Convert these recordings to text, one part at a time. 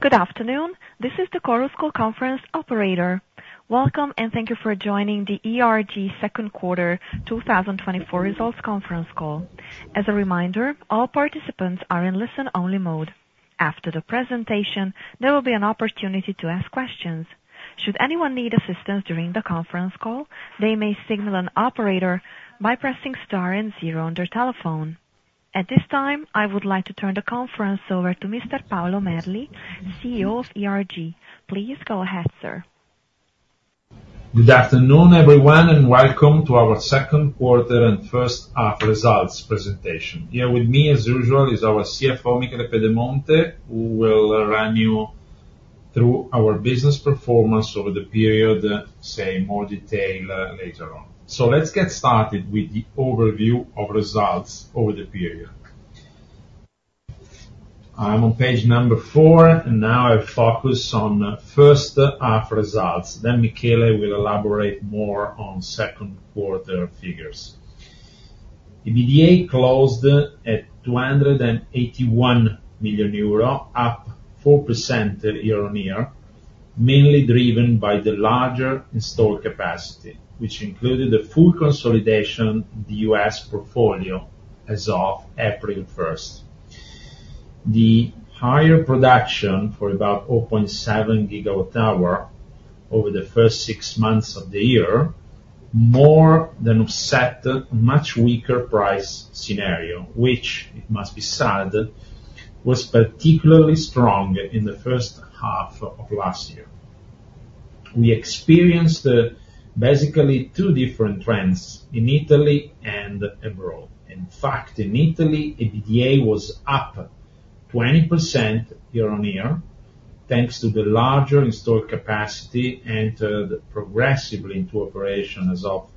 Good afternoon. This is the chorus call conference operator. Welcome, and thank you for joining the ERG second quarter 2024 results conference call. As a reminder, all participants are in listen-only mode. After the presentation, there will be an opportunity to ask questions. Should anyone need assistance during the conference call, they may signal an operator by pressing star and zero on their telephone. At this time, I would like to turn the conference over to Mr. Paolo Merli, CEO of ERG. Please go ahead, sir. Good afternoon, everyone, and welcome to our second quarter and first half results presentation. Here with me, as usual, is our CFO, Michele Pedemonte, who will run you through our business performance over the period, say in more detail later on. So let's get started with the overview of results over the period. I'm on page number four, and now I focus on first half results, then Michele will elaborate more on second quarter figures. EBITDA closed at EUR 281 million, up 4% year-on-year, mainly driven by the larger installed capacity, which included the full consolidation of the U.S. portfolio as of April 1. The higher production, for about 0.7 GWh over the first six months of the year, more than offset a much weaker price scenario, which, it must be said, was particularly strong in the first half of last year. We experienced, basically two different trends in Italy and abroad. In fact, in Italy, EBITDA was up 20% year-on-year, thanks to the larger installed capacity and, progressively into operation as of,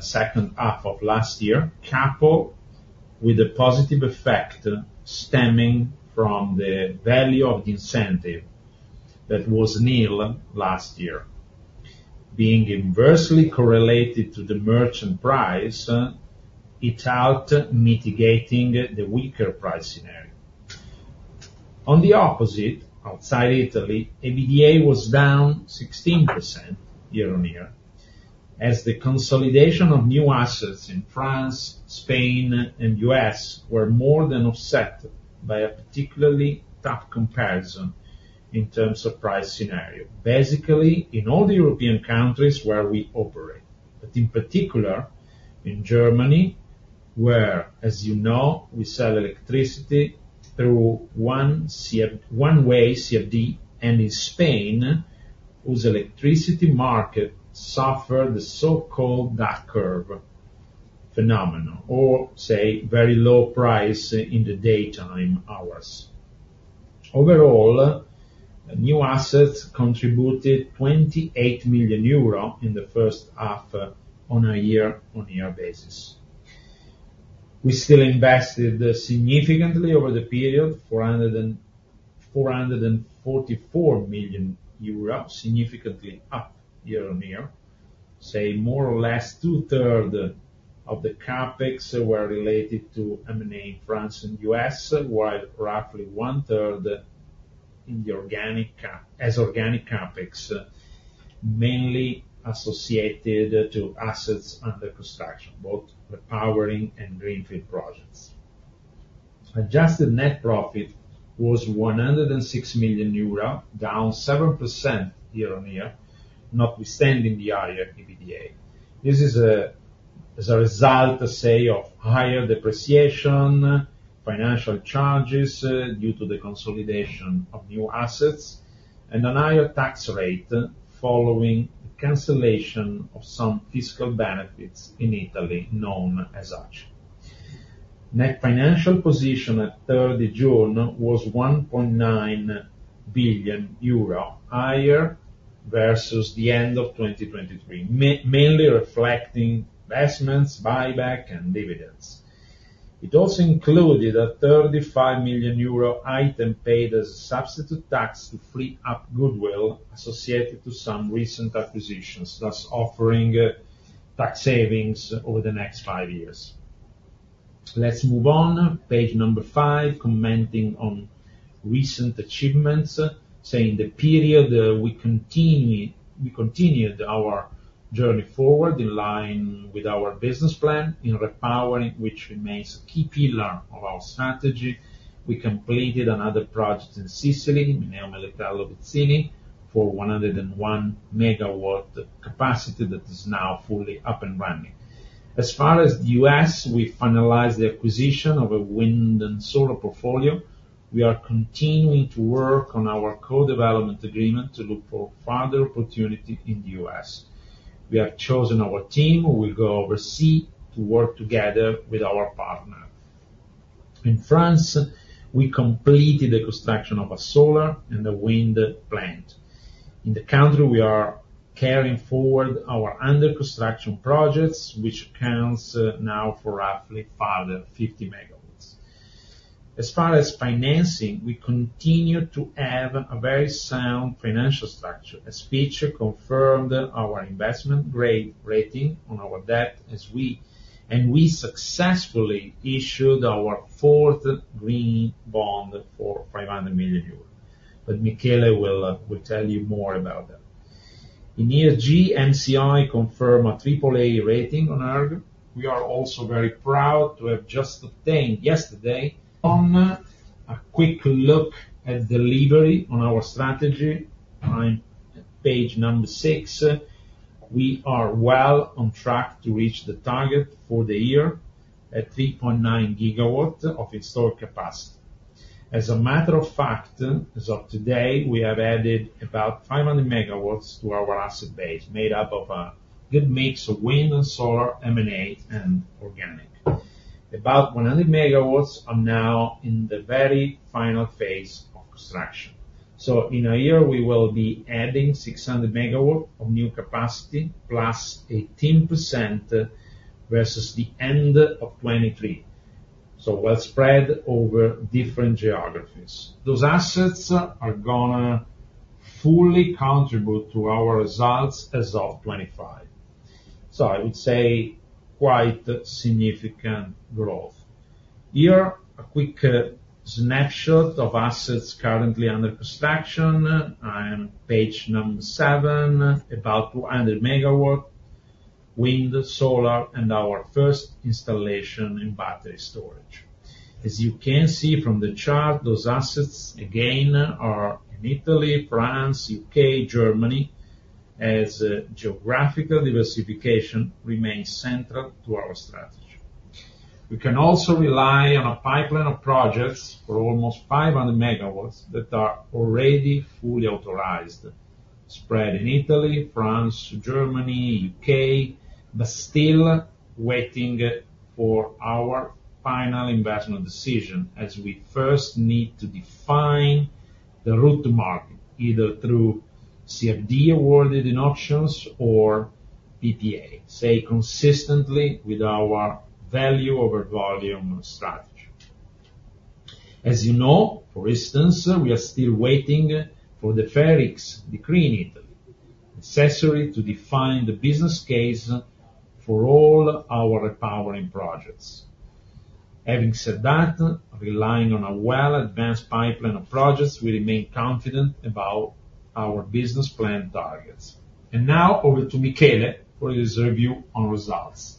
second half of last year, coupled with a positive effect stemming from the value of the incentive that was nil last year. Being inversely correlated to the merchant price, it helped mitigating the weaker price scenario. On the opposite, outside Italy, EBITDA was down 16% year-on-year, as the consolidation of new assets in France, Spain, and U.S. were more than offset by a particularly tough comparison in terms of price scenario. Basically, in all the European countries where we operate, but in particular in Germany, where, as you know, we sell electricity through one-way CFD, and in Spain, whose electricity market suffers the so-called duck curve phenomenon, or say, very low prices in the daytime hours. Overall, new assets contributed 28 million euro in the first half on a year-on-year basis. We still invested significantly over the period, 444 million euros, significantly up year-on-year. Say, more or less two-thirds of the CapEx were related to M&A in France and U.S., while roughly one-third in the organic CapEx, mainly associated to assets under construction, both repowering and greenfield projects. Adjusted net profit was 106 million euro, down 7% year-on-year, notwithstanding the higher EBITDA. This is, as a result, say, of higher depreciation, financial charges due to the consolidation of new assets, and a higher tax rate following the cancellation of some fiscal benefits in Italy, known as such. Net financial position at June 30 was 1.9 billion euro, higher versus the end of 2023, mainly reflecting investments, buyback, and dividends. It also included a 35 million euro item paid as a substitute tax to free up goodwill associated to some recent acquisitions, thus offering tax savings over the next five years. Let's move on. Page number five, commenting on recent achievements, saying the period, we continue, we continued our journey forward in line with our business plan in repowering, which remains a key pillar of our strategy. We completed another project in Sicily, Mineo-Militello-Vizzini, for 101 MW capacity that is now fully up and running. As far as the U.S., we finalized the acquisition of a wind and solar portfolio. We are continuing to work on our co-development agreement to look for further opportunity in the U.S.. We have chosen our team, who will go overseas to work together with our partner. In France, we completed the construction of a solar and a wind plant. In the country, we are carrying forward our under construction projects, which accounts now for roughly further 50 MW. As far as financing, we continue to have a very sound financial structure. As Fitch confirmed our investment grade rating on our debt as we... We successfully issued our fourth green bond for 500 million euros. But Michele will tell you more about that. In 2023, MSCI confirmed a AAA rating on ERG. We are also very proud to have just obtained yesterday. On a quick look at delivery on our strategy, on page 6, we are well on track to reach the target for the year at 3.9 GW of installed capacity. As a matter of fact, as of today, we have added about 500 MW to our asset base, made up of a good mix of wind and solar, M&A, and organic. About 100 MW are now in the very final phase of construction. So in a year, we will be adding 600 MW of new capacity, +18% versus the end of 2023. So well spread over different geographies. Those assets are going to fully contribute to our results as of 2025. So I would say quite significant growth. Here, a quick snapshot of assets currently under construction, on page seven, about 200 MW wind, solar, and our first installation in battery storage. As you can see from the chart, those assets, again, are in Italy, France, U.K., Germany, as geographical diversification remains central to our strategy. We can also rely on a pipeline of projects for almost 500 MW that are already fully authorized, spread in Italy, France, Germany, U.K., but still waiting for our final investment decision, as we first need to define the route to market, either through CFD awarded in auctions or PPA, say consistently with our value over volume strategy. As you know, for instance, we are still waiting for the FER X decree in Italy, necessary to define the business case for all our repowering projects. Having said that, relying on a well-advanced pipeline of projects, we remain confident about our business plan targets. And now over to Michele for his review on results.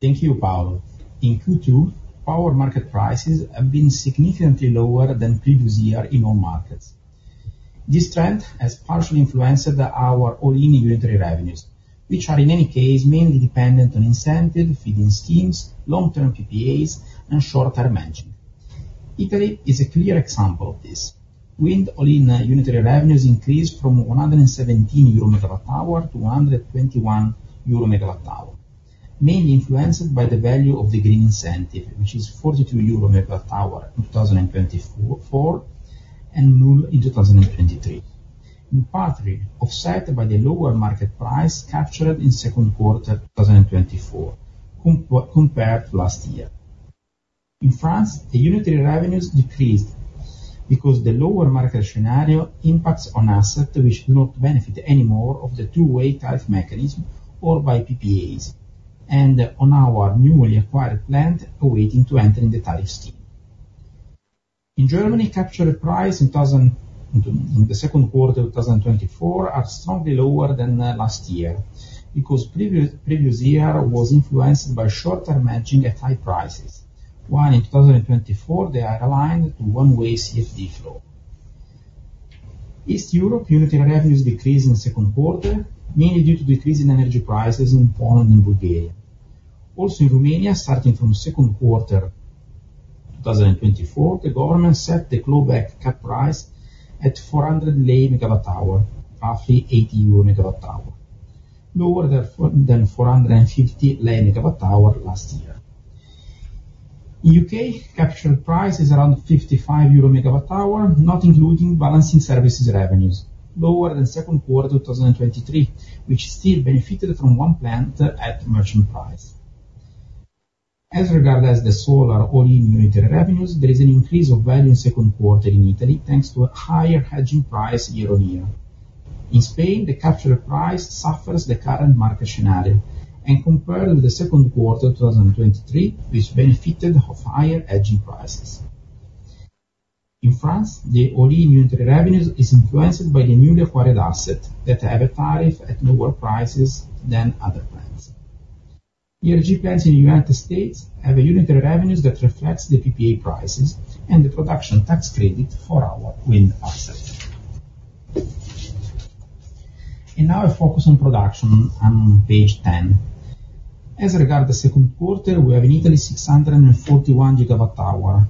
Thank you, Paolo. In Q2, power market prices have been significantly lower than previous year in all markets. This trend has partially influenced our all-in unitary revenues, which are, in any case, mainly dependent on incentive feeding schemes, long-term PPAs, and short-term matching. Italy is a clear example of this. Wind all-in unitary revenues increased from 117/MWh-121 euro/MWh, mainly influenced by the value of the green incentive, which is 42 euro/MWh in 2024, and null in 2023. In part, offset by the lower market price captured in Q2 2024, compared to last year. In France, the unitary revenues decreased because the lower market scenario impacts on assets which do not benefit anymore of the two-way tariff mechanism or by PPAs, and on our newly acquired plant awaiting to enter in the tariff scheme. In Germany, captured price in thousand... In the second quarter of 2024, are strongly lower than last year, because previous, previous year was influenced by short-term matching at high prices, while in 2024, they are aligned to one-way CFD flow. East Europe, unitary revenues decreased in the second quarter, mainly due to decrease in energy prices in Poland and Bulgaria. Also in Romania, starting from second quarter 2024, the government set the global cap price at RON 400/MWh, roughly EUR 80/MWh, lower therefore than RON 450/MWh last year. In the U.K., captured price is around 55 euro/MWh, not including balancing services revenues, lower than second quarter 2023, which still benefited from 1 plant at merchant price. As regards the solar all-in unitary revenues, there is an increase of value in second quarter in Italy, thanks to a higher hedging price year-on-year. In Spain, the captured price suffers the current market scenario and compared with the second quarter 2023, which benefited from higher hedging prices. In France, the all-in unitary revenues is influenced by the newly acquired asset, that have a tariff at lower prices than other plants. ERG plants in the United States have a unitary revenues that reflects the PPA prices and the production tax credit for our wind asset. And now a focus on production on page 10. As regards the second quarter, we have in Italy, 641 GWh,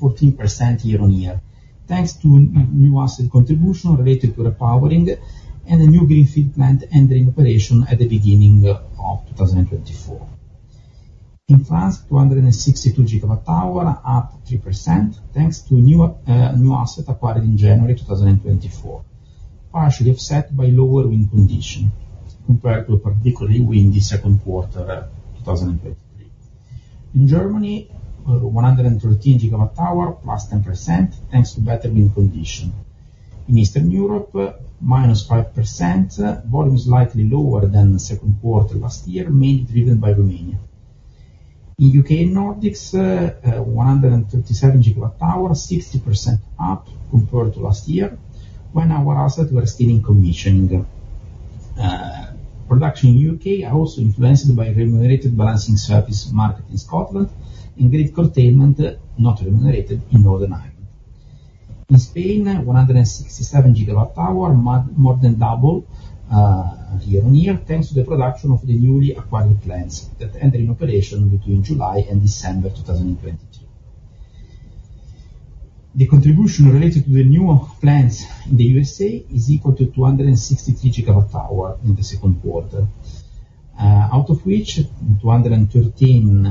14%++ year-on-year, thanks to new asset contribution related to repowering and a new greenfield plant entering operation at the beginning of 2024. In France, 262 GWh, up 3%, thanks to new new asset acquired in January 2024, partially offset by lower wind condition compared to a particularly windy second quarter, 2023. In Germany, 113 GWh, +10%, thanks to better wind condition. In Eastern Europe, -5%, volume is slightly lower than the second quarter last year, mainly driven by Romania.... In U.K. and Nordics, 137 GWh, 60% up compared to last year, when our assets were still in commissioning. Production in U.K. are also influenced by remunerated balancing service market in Scotland, and grid containment, not remunerated in Northern Ireland. In Spain, 167 GWh, more than double, year-on-year, thanks to the production of the newly acquired plants that entered in operation between July and December 2022. The contribution related to the new plants in the USA is equal to 263 gigawatt hour in the second quarter, out of which 213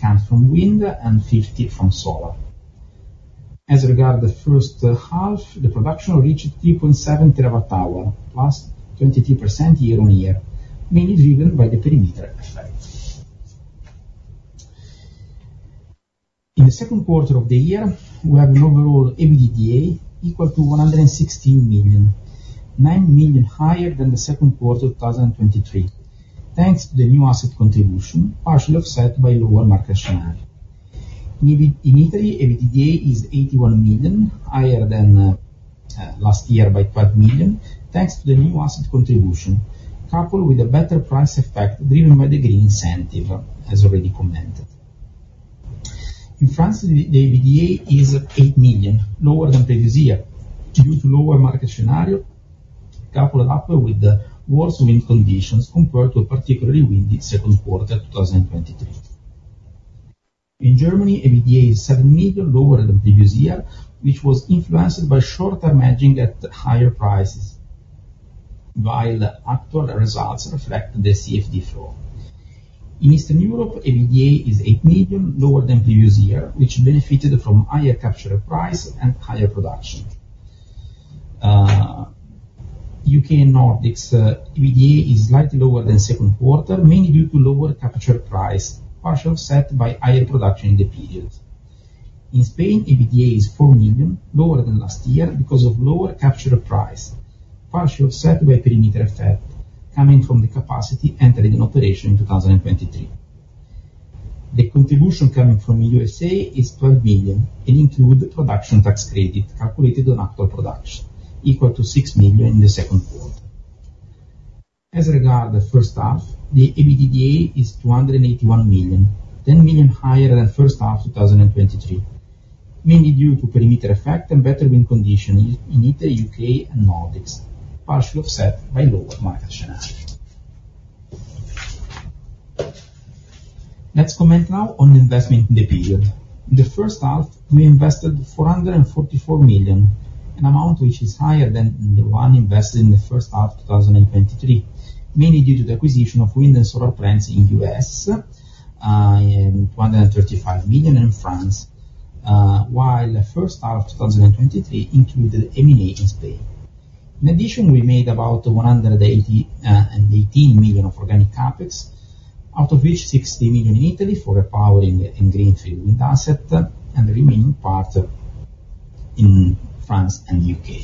comes from wind and 50 from solar. As regard the first half, the production reached 3.7 TWh, +22% year-on-year, mainly driven by the perimeter effect. In the second quarter of the year, we have an overall EBITDA equal to 116 million, 9 million higher than the second quarter of 2023, thanks to the new asset contribution, partially offset by lower market share. In Italy, EBITDA is 81 million, higher than last year by 12 million, thanks to the new asset contribution, coupled with a better price effect driven by the green incentive, as already commented. In France, the EBITDA is 8 million, lower than previous year, due to lower market scenario, coupled up with the worse wind conditions compared to a particularly windy second quarter, 2023. In Germany, EBITDA is 7 million, lower than the previous year, which was influenced by short-term hedging at higher prices, while the actual results reflect the CfD flow. In Eastern Europe, EBITDA is 8 million, lower than previous year, which benefited from higher capture price and higher production. U.K. and Nordics, EBITDA is slightly lower than second quarter, mainly due to lower capture price, partial offset by higher production in the period. In Spain, EBITDA is 4 million, lower than last year, because of lower capture price, partially offset by perimeter effect, coming from the capacity entering operation in 2023. The contribution coming from USA is 12 million, and include production tax credit calculated on actual production, equal to 6 million in the second quarter. As regard the first half, the EBITDA is 281 million, 10 million higher than first half, 2023, mainly due to perimeter effect and better wind condition in Italy, U.K., and Nordics, partially offset by lower market share. Let's comment now on investment in the period. In the first half, we invested 444 million, an amount which is higher than the one invested in the first half, 2023, mainly due to the acquisition of wind and solar plants in the U.S. and 135 million in France, while the first half of 2023 included M&A in Spain. In addition, we made about 118 million of organic CapEx, out of which 60 million in Italy, for repowering and greenfield wind asset, and the remaining part in France and U.K..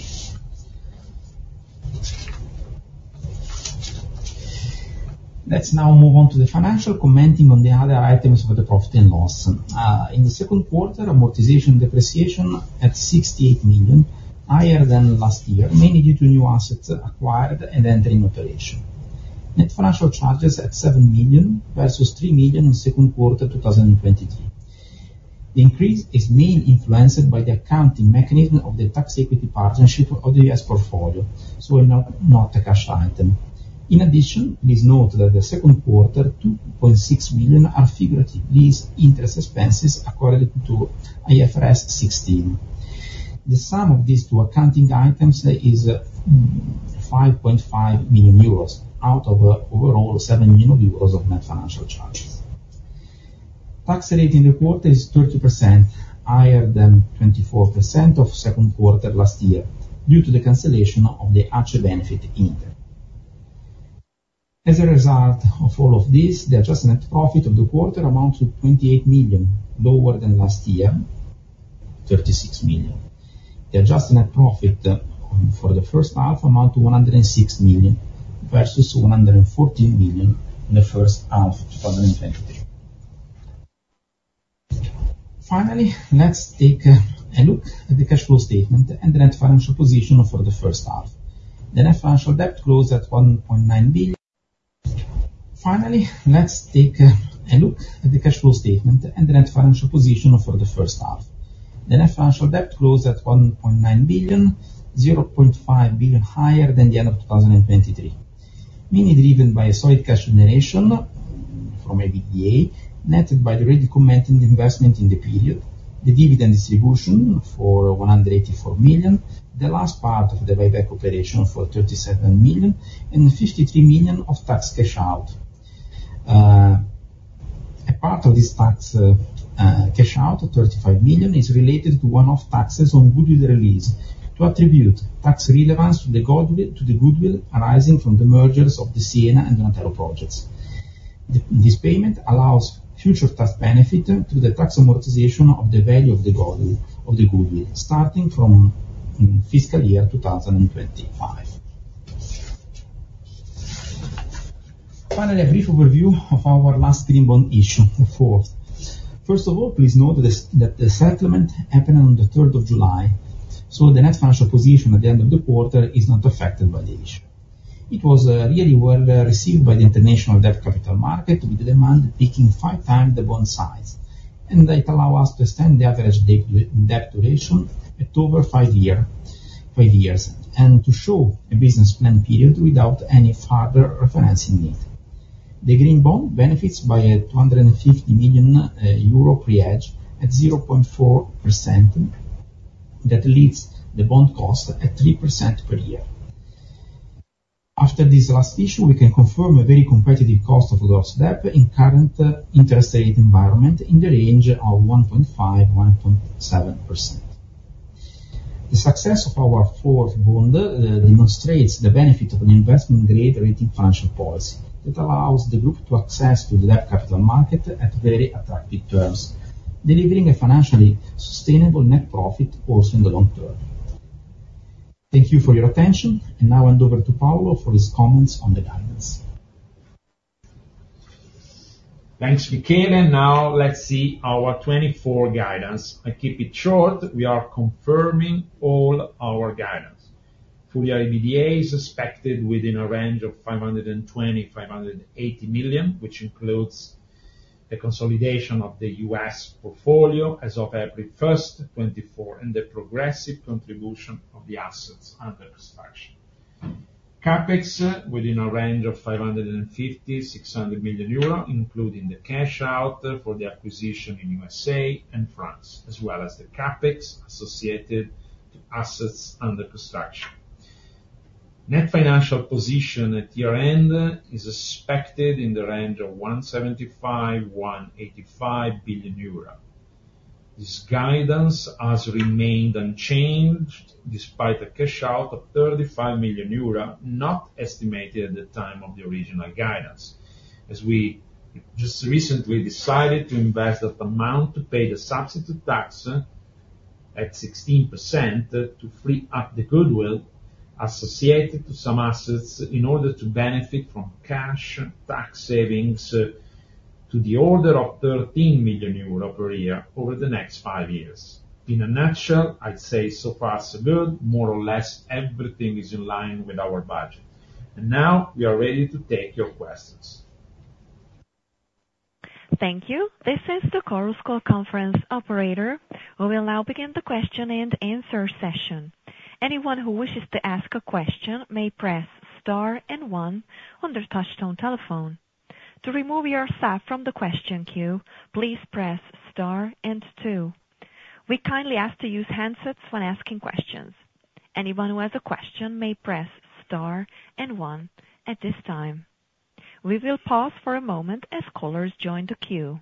Let's now move on to the financials, commenting on the other items for the profit and loss. In the second quarter, amortization and depreciation at 68 million, higher than last year, mainly due to new assets acquired and entering operation. Net financial charges at 7 million, versus 3 million in second quarter 2023. The increase is mainly influenced by the accounting mechanism of the tax equity partnership of the U.S. portfolio, so not, not a cash item. In addition, please note that the second quarter, 2.6 million, are figurative lease interest expenses according to IFRS 16. The sum of these two accounting items is five point five million euros, out of overall 7 million euros of net financial charges. Tax rate in the quarter is 30%, higher than 24% of second quarter last year, due to the cancellation of the ACE benefit in it. As a result of all of this, the adjusted net profit of the quarter amount to 28 million, lower than last year, 36 million. The adjusted net profit for the first half amounts to 106 million, versus 114 million in the first half, 2023. Finally, let's take a look at the cash flow statement and the net financial position for the first half. The net financial debt closed at 1.9 billion, 0.5 billion higher than the end of 2023, mainly driven by a solid cash generation from EBITDA, netted by the already commenting investment in the period, the dividend distribution for 184 million, the last part of the buyback operation for 37 million, and 53 million of tax cash out. A part of this tax cash out, 35 million, is related to one-off taxes on goodwill release, to attribute tax relevance to the goodwill, to the goodwill arising from the mergers of the Siena and Montero projects. This payment allows future tax benefit to the tax amortization of the value of the goodwill, of the goodwill, starting from fiscal year 2025. Finally, a brief overview of our last green bond issue, the fourth. First of all, please note that the settlement happened on the third of July, so the net financial position at the end of the quarter is not affected by the issue. It was really well received by the international debt capital market, with the demand peaking 5 times the bond size. It allows us to extend the average debt duration to over 5 years and to show a business plan period without any further refinancing need. The green bond benefits by a 250 million euro pre-hedge at 0.4%, that leads the bond cost at 3% per year. After this last issue, we can confirm a very competitive cost of gross debt in current interest rate environment, in the range of 1.5%-1.7%. The success of our fourth bond demonstrates the benefit of an investment grade rating financial policy, that allows the group to access the debt capital market at very attractive terms, delivering a financially sustainable net profit also in the long term. Thank you for your attention, and now I hand over to Paolo for his comments on the guidance. Thanks, Michele, now let's see our 2024 guidance. I keep it short. We are confirming all our guidance. Full year EBITDA is expected within a range of 520 million-580 million, which includes the consolidation of the U.S. portfolio as of April 1, 2024, and the progressive contribution of the assets under construction. CapEx within a range of 550 million-600 million euro, including the cash out for the acquisition in USA and France, as well as the CapEx associated to assets under construction. Net financial position at year-end is expected in the range of 1.75 billion-1.85 billion euro. This guidance has remained unchanged, despite a cash out of 35 million euro, not estimated at the time of the original guidance. As we just recently decided to invest that amount to pay the substitute tax at 16%, to free up the goodwill associated to some assets, in order to benefit from cash tax savings to the order of 13 million euro per year over the next five years. In a nutshell, I'd say, so far, so good. More or less everything is in line with our budget. Now, we are ready to take your questions. Thank you. This is the Chorus call conference operator. We will now begin the question and answer session. Anyone who wishes to ask a question may press star and one on their touchtone telephone. To remove yourself from the question queue, please press star and two. We kindly ask to use handsets when asking questions. Anyone who has a question may press star and one at this time. We will pause for a moment as callers join the queue.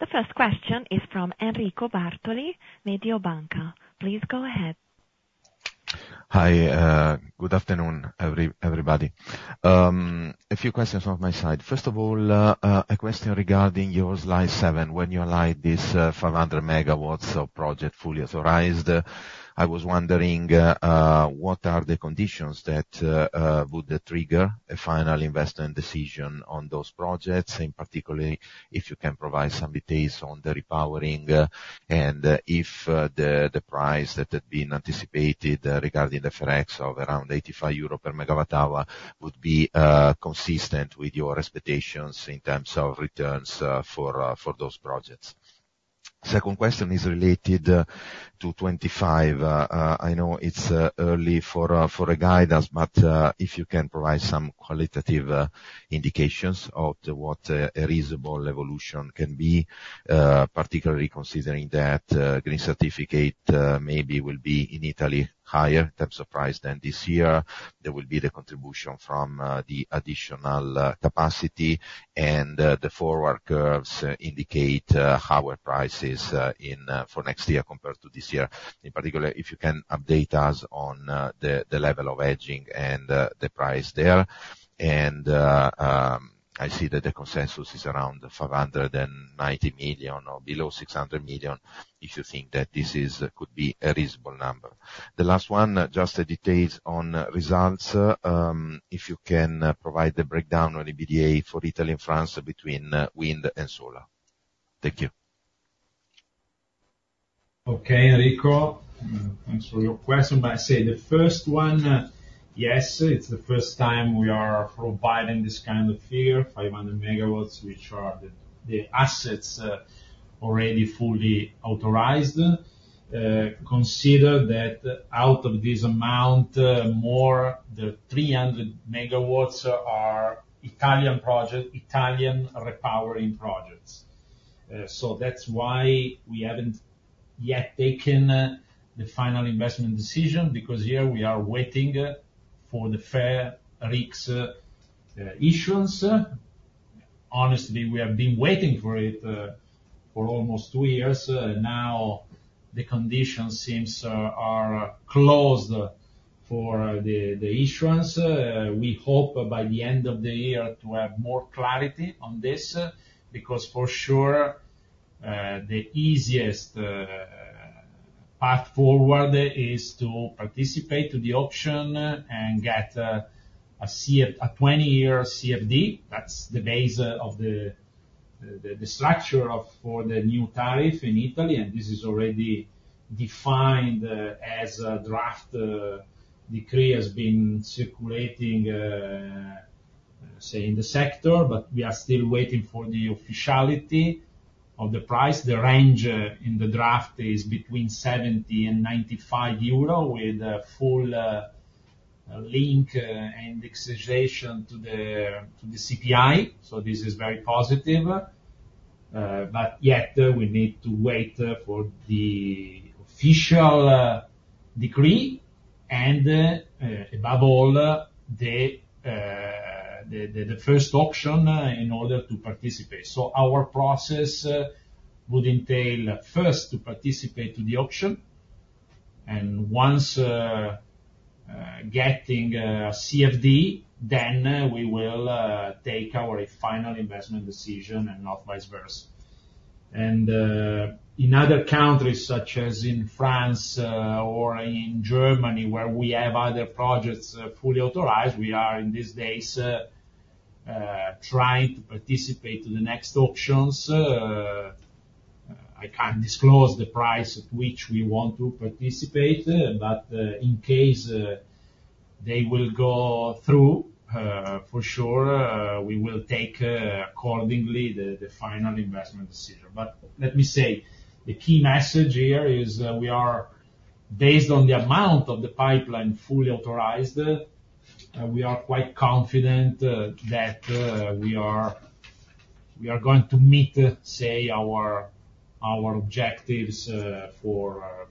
The first question is from Enrico Bartoli, Mediobanca. Please go ahead. Hi, good afternoon, everybody. A few questions from my side. First of all, a question regarding your slide 7, when you highlight this 500 MW of project fully authorized. I was wondering, what are the conditions that would trigger a final investment decision on those projects, and particularly, if you can provide some details on the repowering, and if the price that had been anticipated regarding the FER X of around 85 euro per MWh would be consistent with your expectations in terms of returns for those projects? Second question is related to 25. I know it's early for a guidance, but if you can provide some qualitative indications of what a reasonable evolution can be, particularly considering that green certificate maybe will be in Italy, higher in terms of price than this year. There will be the contribution from the additional capacity, and the forward curves indicate higher prices in for next year compared to this year. In particular, if you can update us on the level of hedging and the price there. And I see that the consensus is around 490 million or below 600 million, if you think that this is could be a reasonable number. The last one, just the details on results, if you can provide the breakdown on EBITDA for Italy and France between wind and solar. Thank you. Okay, Enrico, thanks for your question. But I say the first one, yes, it's the first time we are providing this kind of figure, 500 MW, which are the assets already fully authorized. Consider that out of this amount, more, the 300 MW are Italian project, Italian repowering projects. So that's why we haven't yet taken the final investment decision, because here we are waiting for the FER X issuance. Honestly, we have been waiting for it for almost two years. Now, the conditions seems are closed for the issuance. We hope by the end of the year to have more clarity on this, because for sure the easiest path forward is to participate to the auction and get a 20-year CfD. That's the base of the structure of for the new tariff in Italy, and this is already defined as a draft. Decree has been circulating, say, in the sector, but we are still waiting for the officiality of the price. The range in the draft is between 70 and 95 euro, with a full link and indexation to the CPI. So this is very positive. But yet, we need to wait for the official decree, and above all, the first auction in order to participate. So our process would entail, first, to participate in the auction, and once getting a CFD, then we will take our final investment decision, and not vice versa. In other countries, such as in France, or in Germany, where we have other projects, fully authorized, we are, in these days, trying to participate in the next auctions. I can't disclose the price at which we want to participate, but, in case, they will go through, for sure, we will take, accordingly, the, the final investment decision. But let me say, the key message here is, we are, based on the amount of the pipeline fully authorized, we are quite confident, that, we are, we are going to meet, say, our, our objectives, for,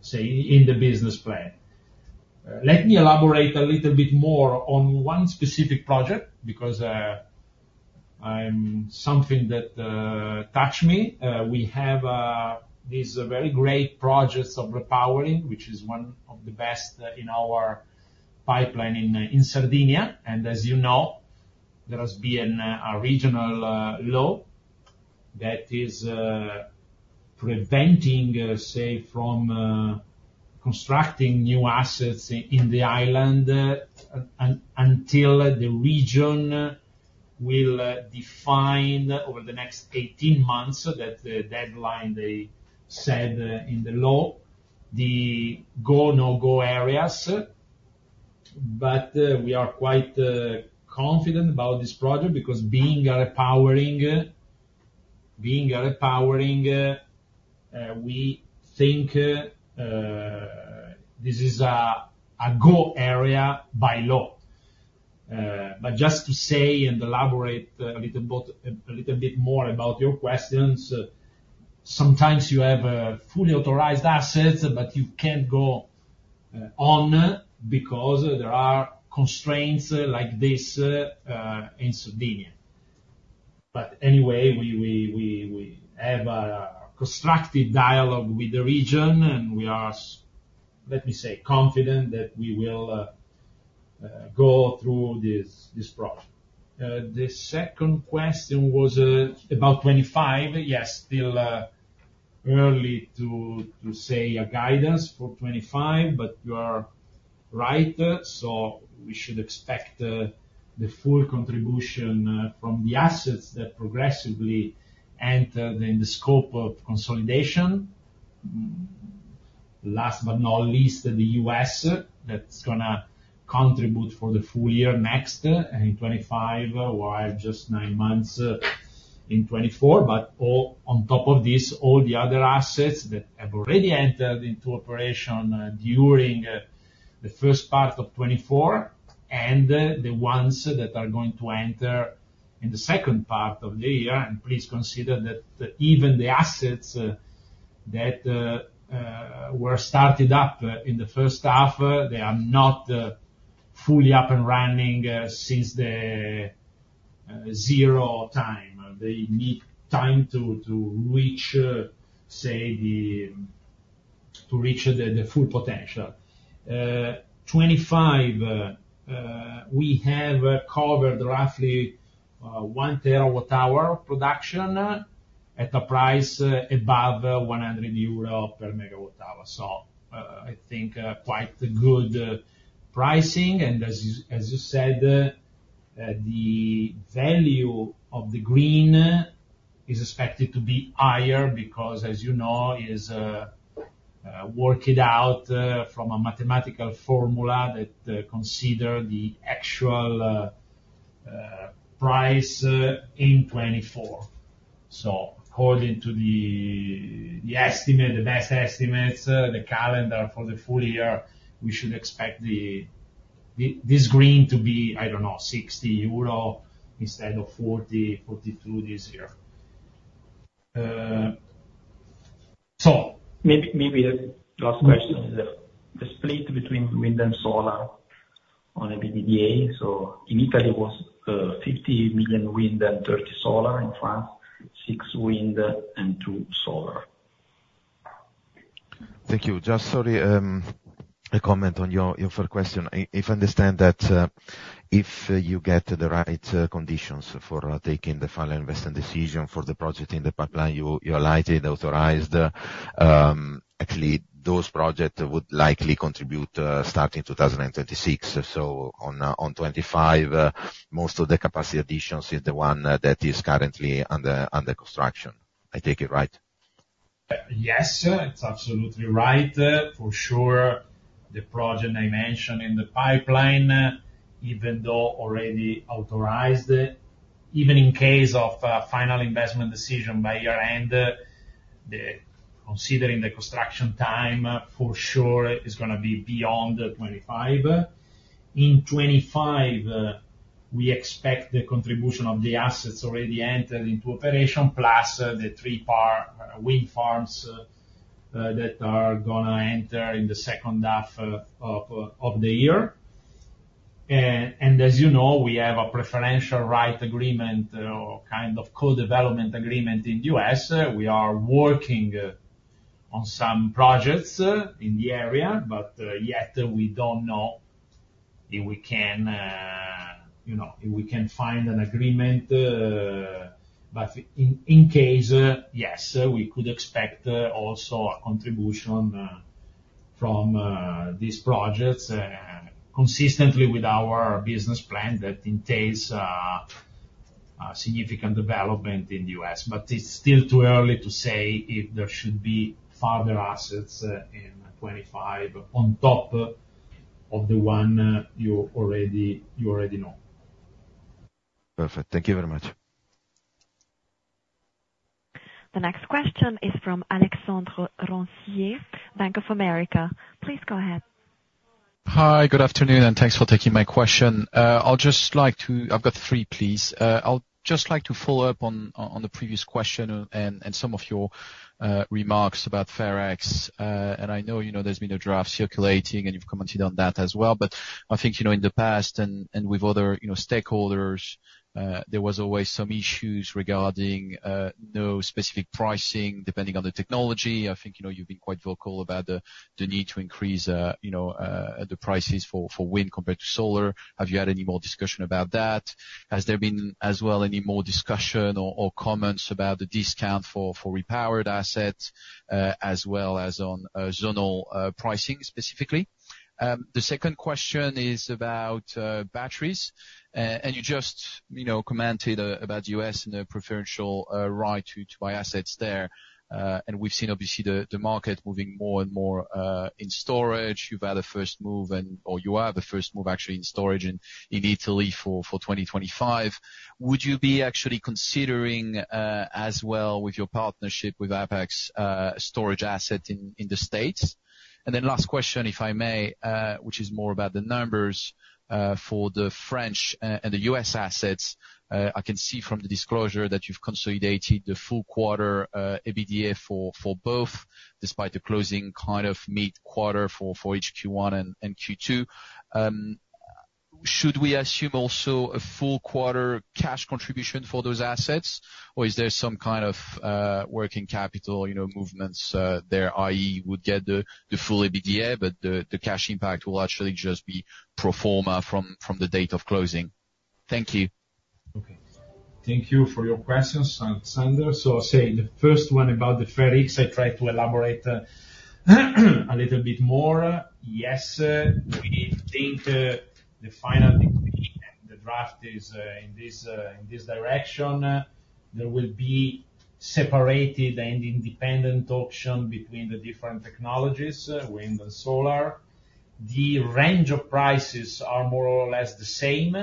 say, in the business plan. Let me elaborate a little bit more on one specific project, because, something that, touch me. We have these very great projects of repowering, which is one of the best in our pipeline in Sardinia. And as you know, there has been a regional law that is preventing, say, from constructing new assets in the island until the region will define over the next 18 months, that's the deadline they said in the law, the go, no-go areas. But we are quite confident about this project, because being a repowering, we think this is a go area by law. But just to say and elaborate a little bit more about your questions, sometimes you have fully authorized assets, but you can't go on, because there are constraints like this in Sardinia. But anyway, we have a constructive dialogue with the region, and we are, let me say, confident that we will go through this project. The second question was about 2025. Yes, still early to say a guidance for 2025, but you are right. So we should expect the full contribution from the assets that progressively enter in the scope of consolidation. Last but not least, in the U.S., that's gonna contribute for the full year next, in 2025, while just nine months in 2024. But all... On top of this, all the other assets that have already entered into operation during the first part of 2024, and the ones that are going to enter in the second part of the year, and please consider that even the assets that were started up in the first half, they are not fully up and running since the zero time. They need time to reach, say, the full potential. 2025 we have covered roughly 1 TWh production at a price above 100 euro/MWh. So I think quite a good pricing. As you said, the value of the green is expected to be higher, because, as you know, is worked out from a mathematical formula that consider the actual price in 2024. So according to the estimate, the best estimates, the calendar for the full year, we should expect this green to be, I don't know, 60 euro instead of 40-42 this year. So maybe the last question is the split between wind and solar on EBITDA. So in Italy, it was 50 million wind and 30 million solar. In France, 6 million wind and 2 million solar. Thank you. Just sorry, a comment on your, your first question. If I understand that, if you get the right, conditions for taking the final investment decision for the project in the pipeline, you, you are lightly authorized, actually, those projects would likely contribute, starting 2026. So on, on 2025, most of the capacity additions is the one, that is currently under, under construction. I take it right? Yes, sir, it's absolutely right. For sure, the project I mentioned in the pipeline, even though already authorized, even in case of a final investment decision by year-end, considering the construction time, for sure is gonna be beyond 2025. In 2025, we expect the contribution of the assets already entered into operation, plus the three parks wind farms that are gonna enter in the second half of the year. And as you know, we have a preferential right agreement or kind of co-development agreement in U.S. We are working on some projects in the area, but yet we don't know if we can, you know, if we can find an agreement, but in case, yes, we could expect also a contribution from these projects, consistently with our business plan that entails significant development in the U.S.. But it's still too early to say if there should be further assets in 2025 on top of the one you already, you already know. Perfect. Thank you very much. The next question is from [Alexandre Rancier], Bank of America. Please go ahead. Hi, good afternoon, and thanks for taking my question. I'll just like to... I've got three, please. I'll just like to follow up on the previous question and some of your remarks about FER X. And I know, you know, there's been a draft circulating, and you've commented on that as well. But I think, you know, in the past and with other, you know, stakeholders, there was always some issues regarding no specific pricing, depending on the technology. I think, you know, you've been quite vocal about the need to increase you know the prices for wind compared to solar. Have you had any more discussion about that? Has there been, as well, any more discussion or comments about the discount for repowered assets, as well as on zonal pricing, specifically? The second question is about batteries. And you just, you know, commented about U.S. and the preferential right to buy assets there. And we've seen, obviously, the market moving more and more in storage. You've had a first move, and or you are the first move, actually, in storage in Italy for 2025. Would you be actually considering, as well with your partnership with Apex, storage assets in the States? And then last question, if I may, which is more about the numbers for the French and the U.S. assets. I can see from the disclosure that you've consolidated the full quarter EBITDA for both, despite the closing kind of mid-quarter for each Q1 and Q2. Should we assume also a full quarter cash contribution for those assets, or is there some kind of working capital, you know, movements there, i.e., we'd get the full EBITDA, but the cash impact will actually just be pro forma from the date of closing? Thank you. Okay. Thank you for your questions, Alexandre. So I say the first one about the FER X, I try to elaborate a little bit more. Yes, we think the final decision, and the draft is in this direction, there will be separated and independent option between the different technologies, wind and solar. The range of prices are more or less the same,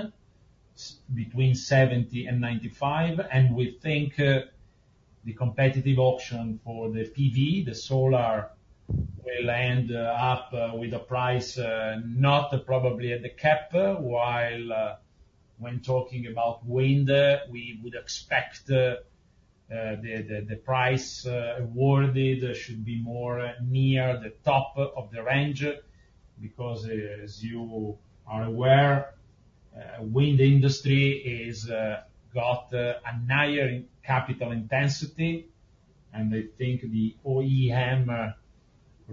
between 70 and 95, and we think the competitive option for the PV, the solar, will end up with a price not probably at the cap, while when talking about wind, we would expect the price awarded should be more near the top of the range, because as you are aware, wind industry is got a higher capital intensity. And I think the OEM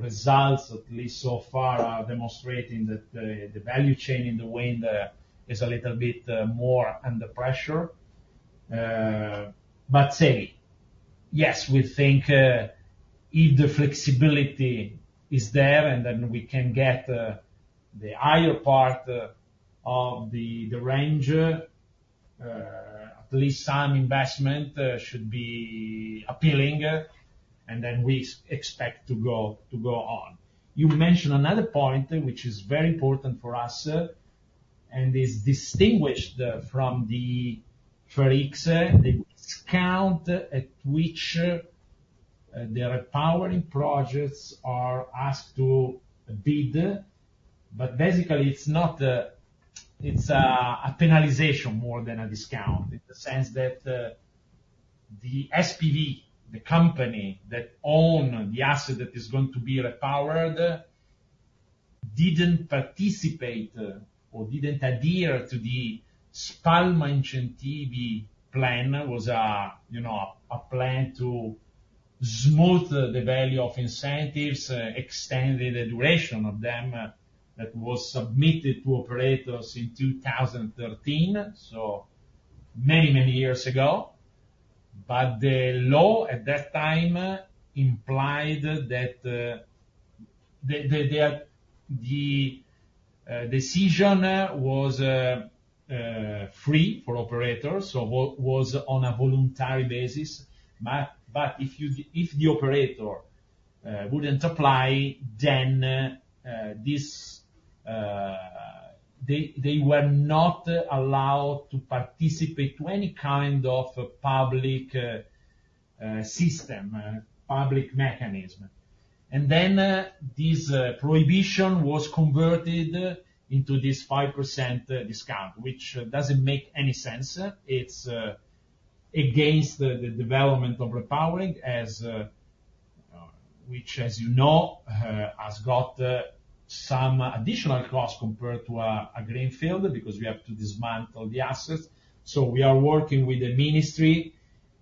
results, at least so far, are demonstrating that the value chain in the wind is a little bit more under pressure. But say, yes, we think if the flexibility is there, and then we can get the higher part of the range, at least some investment should be appealing, and then we expect to go on. You mentioned another point, which is very important for us, and is distinguished from the FER X, the discount at which the repowering projects are asked to bid, but basically, it's not... It's a penalization more than a discount, in the sense that the SPV, the company that own the asset that is going to be repowered, didn't participate, or didn't adhere to the Spalma Incentivi plan. It was a, you know, a plan to smooth the value of incentives, extended the duration of them, that was submitted to operators in 2013, so many, many years ago. But the law at that time implied that the decision was free for operators, so was on a voluntary basis. But if you-- if the operator wouldn't apply, then this... They were not allowed to participate to any kind of public system, public mechanism. And then this prohibition was converted into this 5% discount, which doesn't make any sense. It's against the development of repowering, as which, as you know, has got some additional costs compared to a greenfield, because we have to dismantle the assets. So we are working with the ministry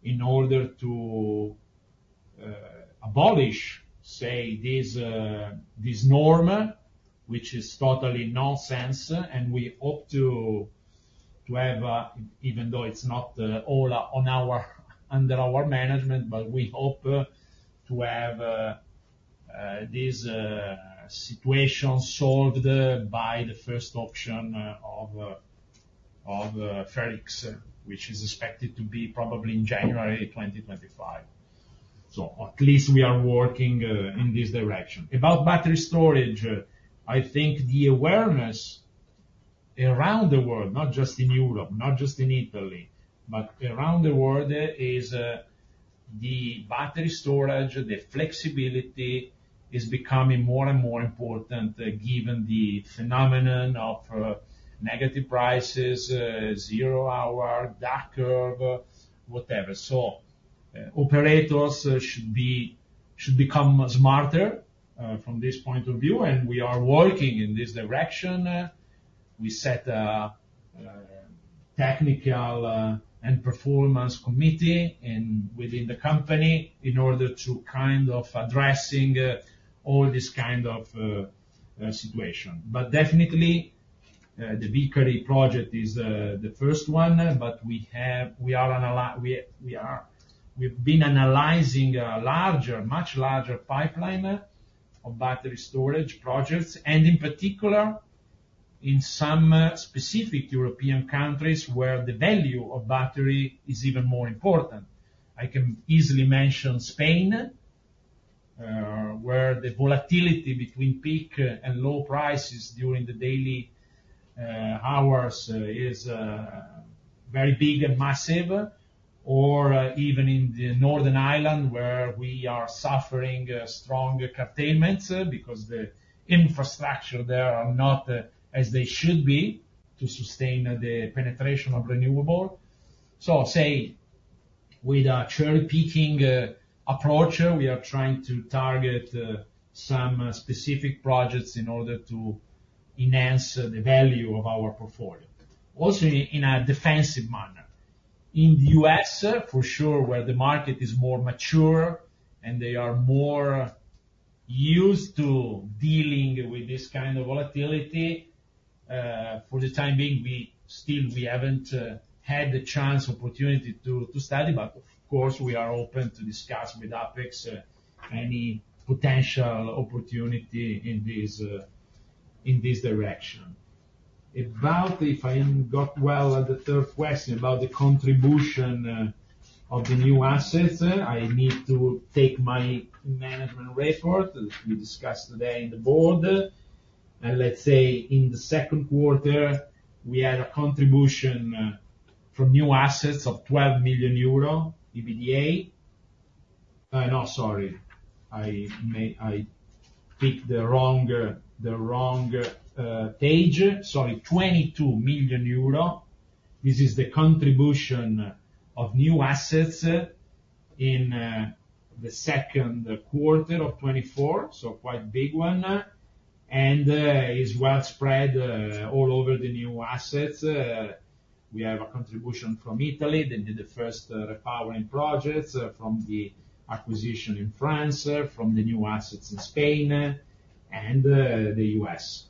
in order to abolish, say, this this norm, which is totally nonsense, and we hope to to have, even though it's not all on our—under our management, but we hope to have this situation solved by the first auction of of of FER X, which is expected to be probably in January 2025. So at least we are working in this direction. About battery storage, I think the awareness around the world, not just in Europe, not just in Italy, but around the world, is the battery storage, the flexibility is becoming more and more important given the phenomenon of negative prices zero hour, Duck Curve, whatever. So, operators should become smarter from this point of view, and we are working in this direction. We set a technical and performance committee within the company in order to kind of addressing all this kind of situation. But definitely, the Vicari project is the first one, but we have—we've been analyzing a larger, much larger pipeline of battery storage projects, and in particular, in some specific European countries where the value of battery is even more important. I can easily mention Spain, where the volatility between peak and low prices during the daily hours is very big and massive, or even in Northern Ireland, where we are suffering a strong curtailments, because the infrastructure there are not as they should be to sustain the penetration of renewable. So say, with a cherry-picking approach, we are trying to target some specific projects in order to enhance the value of our portfolio. Also, in a defensive manner. In the U.S., for sure, where the market is more mature and they are more used to dealing with this kind of volatility, for the time being, we still, we haven't had the chance, opportunity to study, but of course, we are open to discuss with Apex any potential opportunity in this direction. About... If I got well on the third question, about the contribution of the new assets, I need to take my management report, as we discussed today in the board. And let's say in the second quarter, we had a contribution from new assets of 12 million euro EBITDA. No, sorry, I may I picked the wrong, the wrong, page. Sorry, 22 million euro. This is the contribution of new assets in the second quarter of 2024, so quite big one, and is well spread all over the new assets. We have a contribution from Italy, they did the first repowering projects, from the acquisition in France, from the new assets in Spain, and the U.S.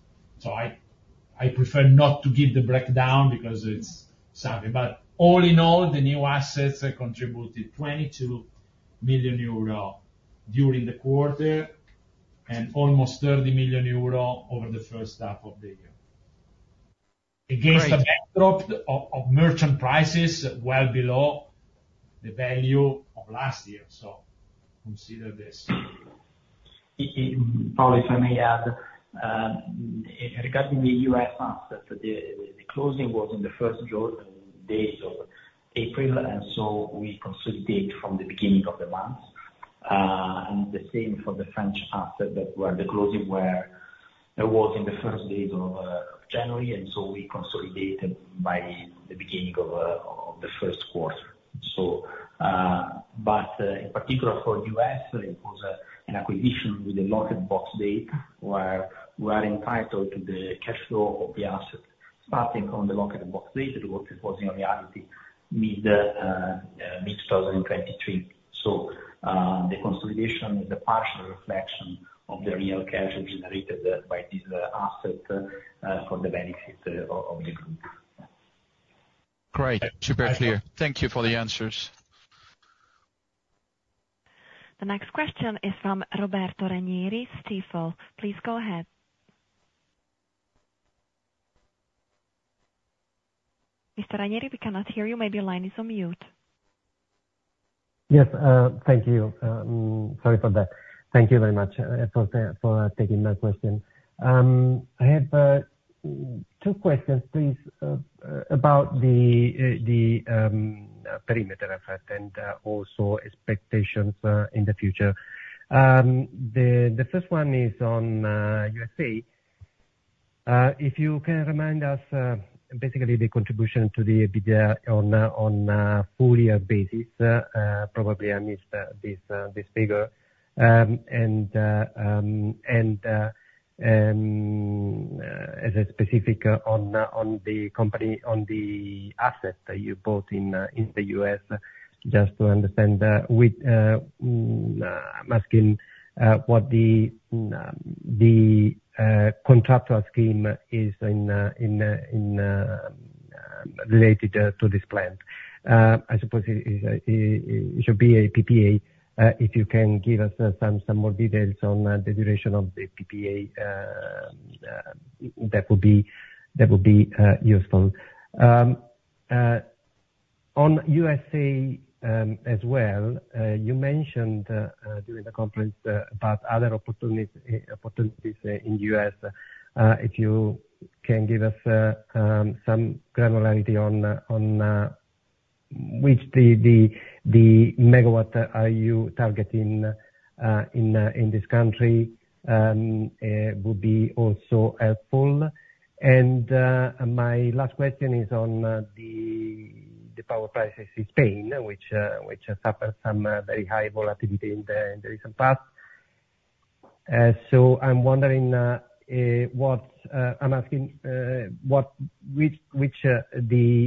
I prefer not to give the breakdown because, sorry, but all in all, the new assets contributed 22 million euro during the quarter, and almost 30 million euro over the first half of the year. Against the backdrop of merchant prices well below the value of last year. Consider this. Paul, if I may add, regarding the U.S. assets, the closing was in the first few days of April, and so we consolidate from the beginning of the month.... and the same for the French asset, where the closing was in the first days of January, and so we consolidated by the beginning of the first quarter. So, but in particular, for the U.S., it was an acquisition with a Lock Box Date, where we are entitled to the cash flow of the asset. Starting from the Lock Box Date, it was, in reality, mid-2023. So, the consolidation is a partial reflection of the real cash generated by this asset for the benefit of the group. Great. Super clear. Thank you for the answers. The next question is from Roberto Ranieri, Stifel. Please go ahead. Mr. Ranieri, we cannot hear you. Maybe your line is on mute. Yes, thank you. Sorry for that. Thank you very much for taking my question. I have two questions, please, about the perimeter effect and also expectations in the future. The first one is on USA. If you can remind us, basically the contribution to the EBITDA on full year basis, probably I missed this figure. And as a specific on the company, on the asset that you bought in the U.S., just to understand what I'm asking, what the contractual scheme is related to this plant. I suppose it should be a PPA. If you can give us some more details on the duration of the PPA, that would be useful. On USA, as well, you mentioned during the conference about other opportunities in U.S.. If you can give us some granularity on which the megawatt are you targeting in this country, would be also helpful. And my last question is on the power prices in Spain, which has suffered some very high volatility in the recent past. So I'm wondering what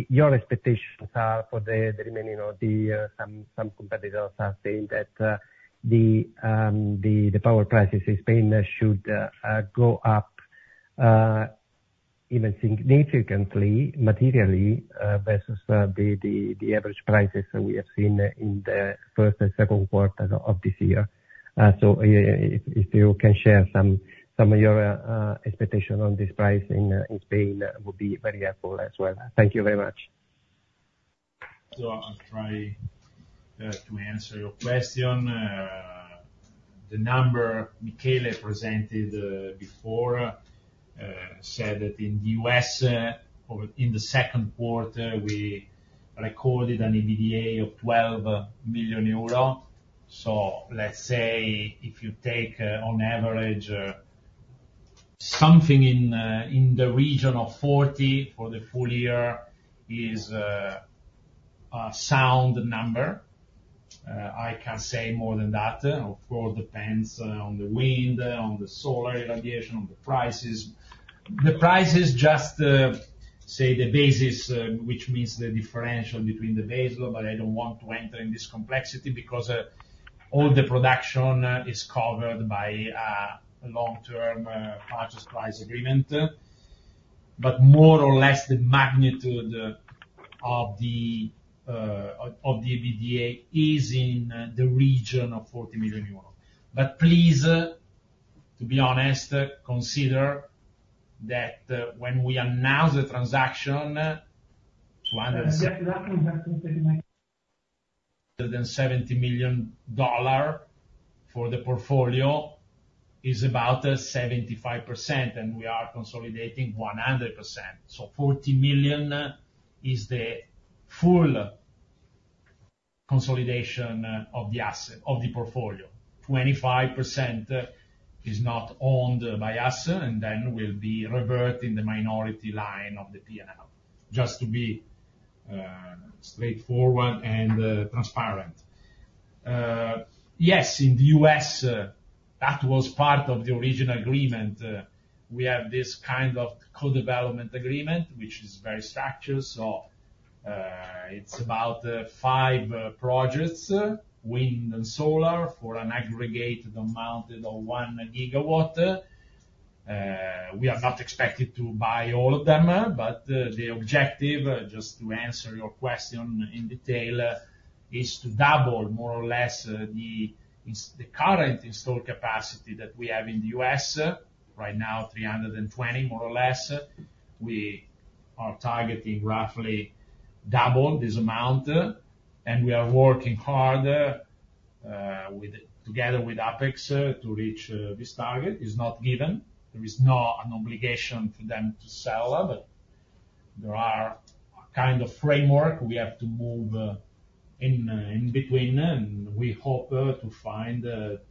your expectations are for the remaining of the year. Some competitors are saying that the power prices in Spain should go up even significantly, materially versus the average prices that we have seen in the first and second quarters of this year. So if you can share some of your expectations on this pricing in Spain, would be very helpful as well. Thank you very much. I'll try to answer your question. The number Michele presented before said that in the U.S., or in the second quarter, we recorded an EBITDA of 12 million euro. Let's say, if you take on average something in the region of 40 for the full year is a sound number. I can't say more than that. Of course, it depends on the wind, on the solar irradiation, on the prices. The prices just say the basis, which means the differential between the base load, but I don't want to enter in this complexity, because all the production is covered by a long-term purchase price agreement. But more or less, the magnitude of the EBITDA is in the region of 40 million euros. But please, to be honest, consider that, when we announce the transaction, EUR 200. The $70 million for the portfolio is about 75%, and we are consolidating 100%. So $40 million is the full consolidation of the asset, of the portfolio. 25% is not owned by us, and then will be revert in the minority line of the P&L, just to be straightforward and transparent. Yes, in the U.S., that was part of the original agreement. We have this kind of co-development agreement, which is very structured. So, it's about 5 projects, wind and solar, for an aggregated amount of 1 GW. We are not expected to buy all of them, but the objective, just to answer your question in detail, is to double, more or less, the current installed capacity that we have in the U.S.. Right now, 320 MW, more or less. We are targeting roughly double this amount, and we are working hard, with, together with Apex, to reach this target. It's not given. There is not an obligation for them to sell, but there are a kind of framework we have to move in, in between, and we hope to find the,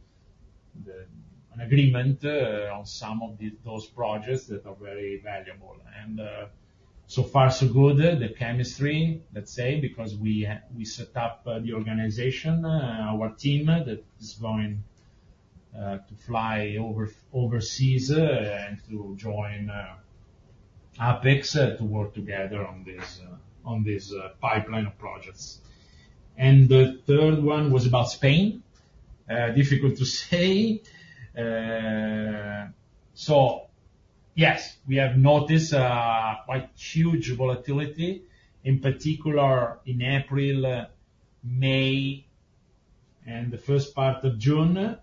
an agreement on some of the, those projects that are very valuable. So far, so good. The chemistry, let's say, because we have we set up the organization, our team, that is going to fly overseas, and to join Apex, to work together on this, on this pipeline of projects. The third one was about Spain. Difficult to say. So yes, we have noticed quite huge volatility, in particular in April, May, and the first part of June,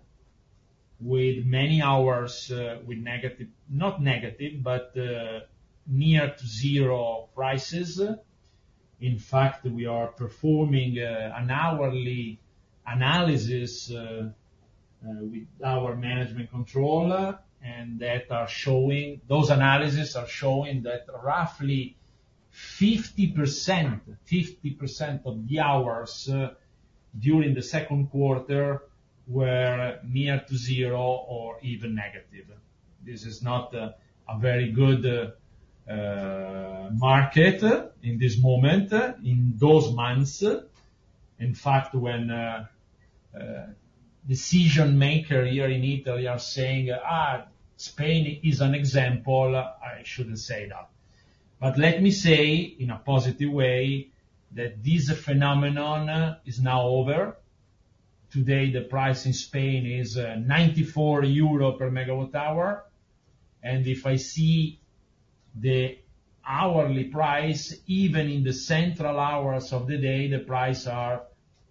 with many hours with negative... Not negative, but near to zero prices. In fact, we are performing an hourly analysis with our management controller, and that are showing—those analysis are showing that roughly 50%, 50% of the hours during the second quarter were near to zero or even negative. This is not a very good market in this moment in those months. In fact, when decision maker here in Italy are saying, "Ah, Spain is an example," I shouldn't say that. But let me say, in a positive way, that this phenomenon is now over. Today, the price in Spain is 94 euro per MWh, and if I see the hourly price, even in the central hours of the day, the price are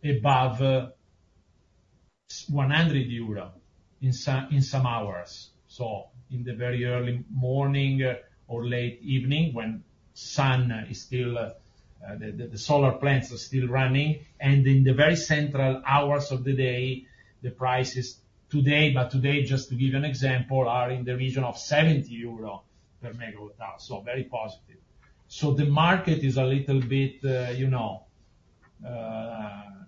above 100 euro in some hours. So in the very early morning or late evening, when sun is still, the solar plants are still running, and in the very central hours of the day, the prices today, but today, just to give an example, are in the region of 70 euro/MWh. So very positive. So the market is a little bit, you know,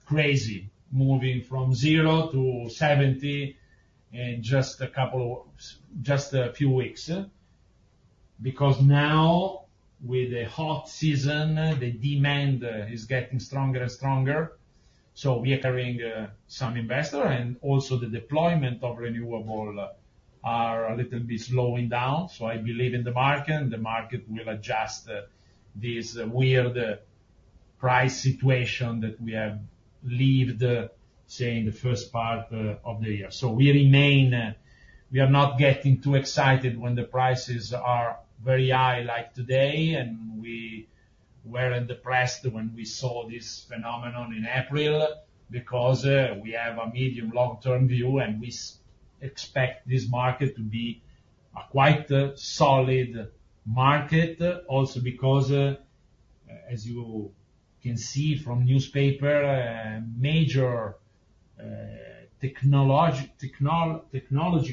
crazy, moving from 0 MWh-70 MWh in just a few weeks. Because now, with the hot season, the demand is getting stronger and stronger, so we are carrying some inventory, and also the deployment of renewables is a little bit slowing down. So I believe in the market, and the market will adjust this weird price situation that we have lived, say, in the first part of the year. So we remain... We are not getting too excited when the prices are very high, like today, and we weren't depressed when we saw this phenomenon in April, because we have a medium long-term view, and we expect this market to be a quite solid market. Also, because, as you can see from newspaper, major, technology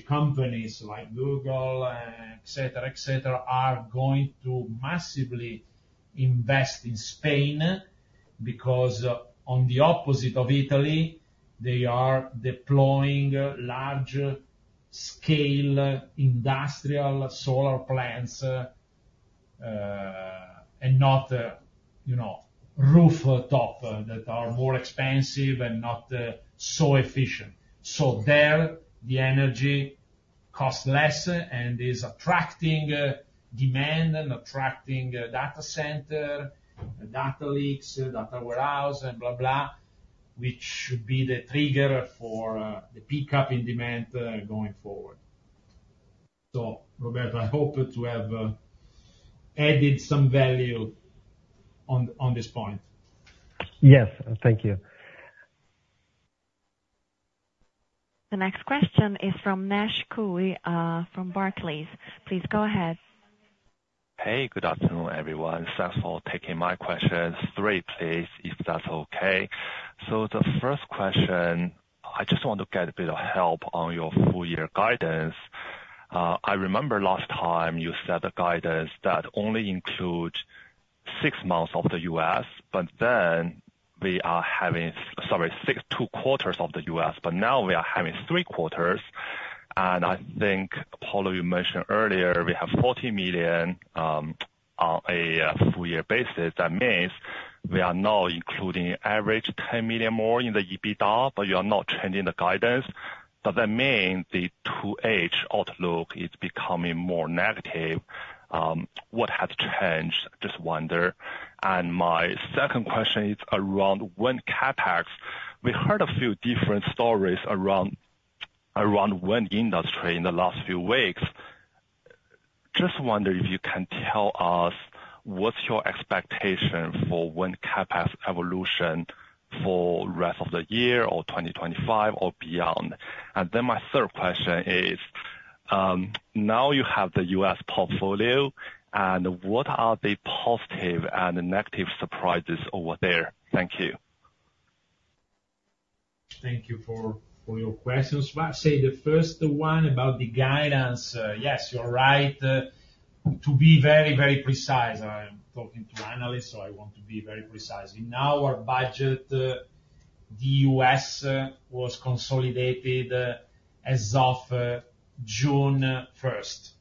companies like Google, et cetera, et cetera, are going to massively invest in Spain, because, on the opposite of Italy, they are deploying large-scale industrial solar plants, and not, you know, rooftop, that are more expensive and not, so efficient. So there, the energy costs less and is attracting, demand and attracting, data center, data lakes, data warehouse, and blah, blah, which should be the trigger for, the pickup in demand, going forward. So Roberto, I hope to have, added some value on, on this point. Yes, thank you. The next question is from Nash Kuo, from Barclays. Please go ahead. Hey, good afternoon, everyone. Thanks for taking my questions. Three, please, if that's okay. So the first question, I just want to get a bit of help on your full year guidance. I remember last time you said the guidance that only include 6 months of the U.S., but then we are having... Sorry, six, 2 quarters of the U.S., but now we are having 3 quarters. And I think, Paolo, you mentioned earlier, we have 40 million on a full year basis. That means we are now including average 10 million more in the EBITDA, but you are not changing the guidance. But that mean the 2H outlook is becoming more negative. What has changed? Just wonder. And my second question is around wind CapEx. We heard a few different stories around wind industry in the last few weeks. Just wonder if you can tell us what's your expectation for wind CapEx evolution for rest of the year or 2025 or beyond? And then my third question is, now you have the U.S. portfolio, and what are the positive and negative surprises over there? Thank you.... Thank you for your questions. Well, say, the first one about the guidance, yes, you're right. To be very, very precise, I'm talking to analysts, so I want to be very precise. In our budget, the U.S. was consolidated as of June 1st.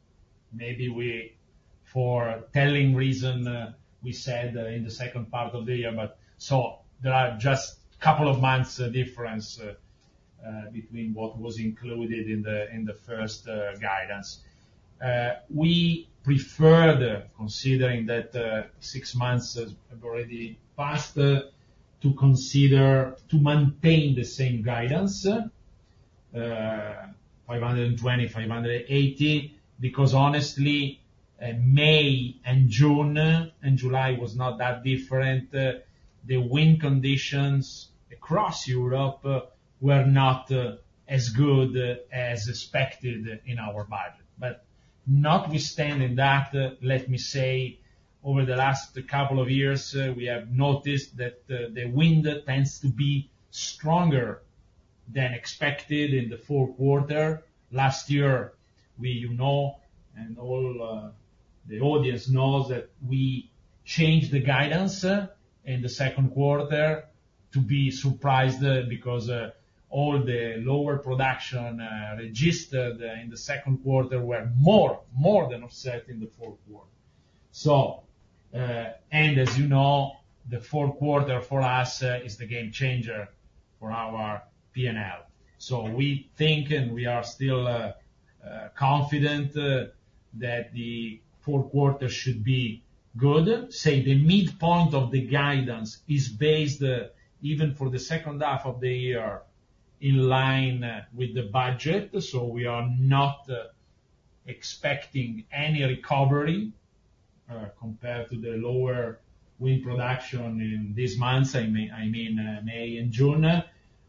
Maybe we, for telling reason, we said in the second part of the year, but so there are just a couple of months difference between what was included in the first guidance. We prefer considering that six months have already passed to consider to maintain the same guidance, 520 million-580 million, because honestly, May and June and July was not that different. The wind conditions across Europe were not as good as expected in our budget. But notwithstanding that, let me say, over the last couple of years, we have noticed that the wind tends to be stronger than expected in the fourth quarter. Last year, we, you know, and all the audience knows, that we changed the guidance in the second quarter to be surprised, because all the lower production registered in the second quarter were more than offset in the fourth quarter. And as you know, the fourth quarter for us is the game changer for our PNL. So we think, and we are still confident, that the fourth quarter should be good. Say, the midpoint of the guidance is based, even for the second half of the year, in line, with the budget, so we are not expecting any recovery, compared to the lower wind production in these months, I mean, May and June.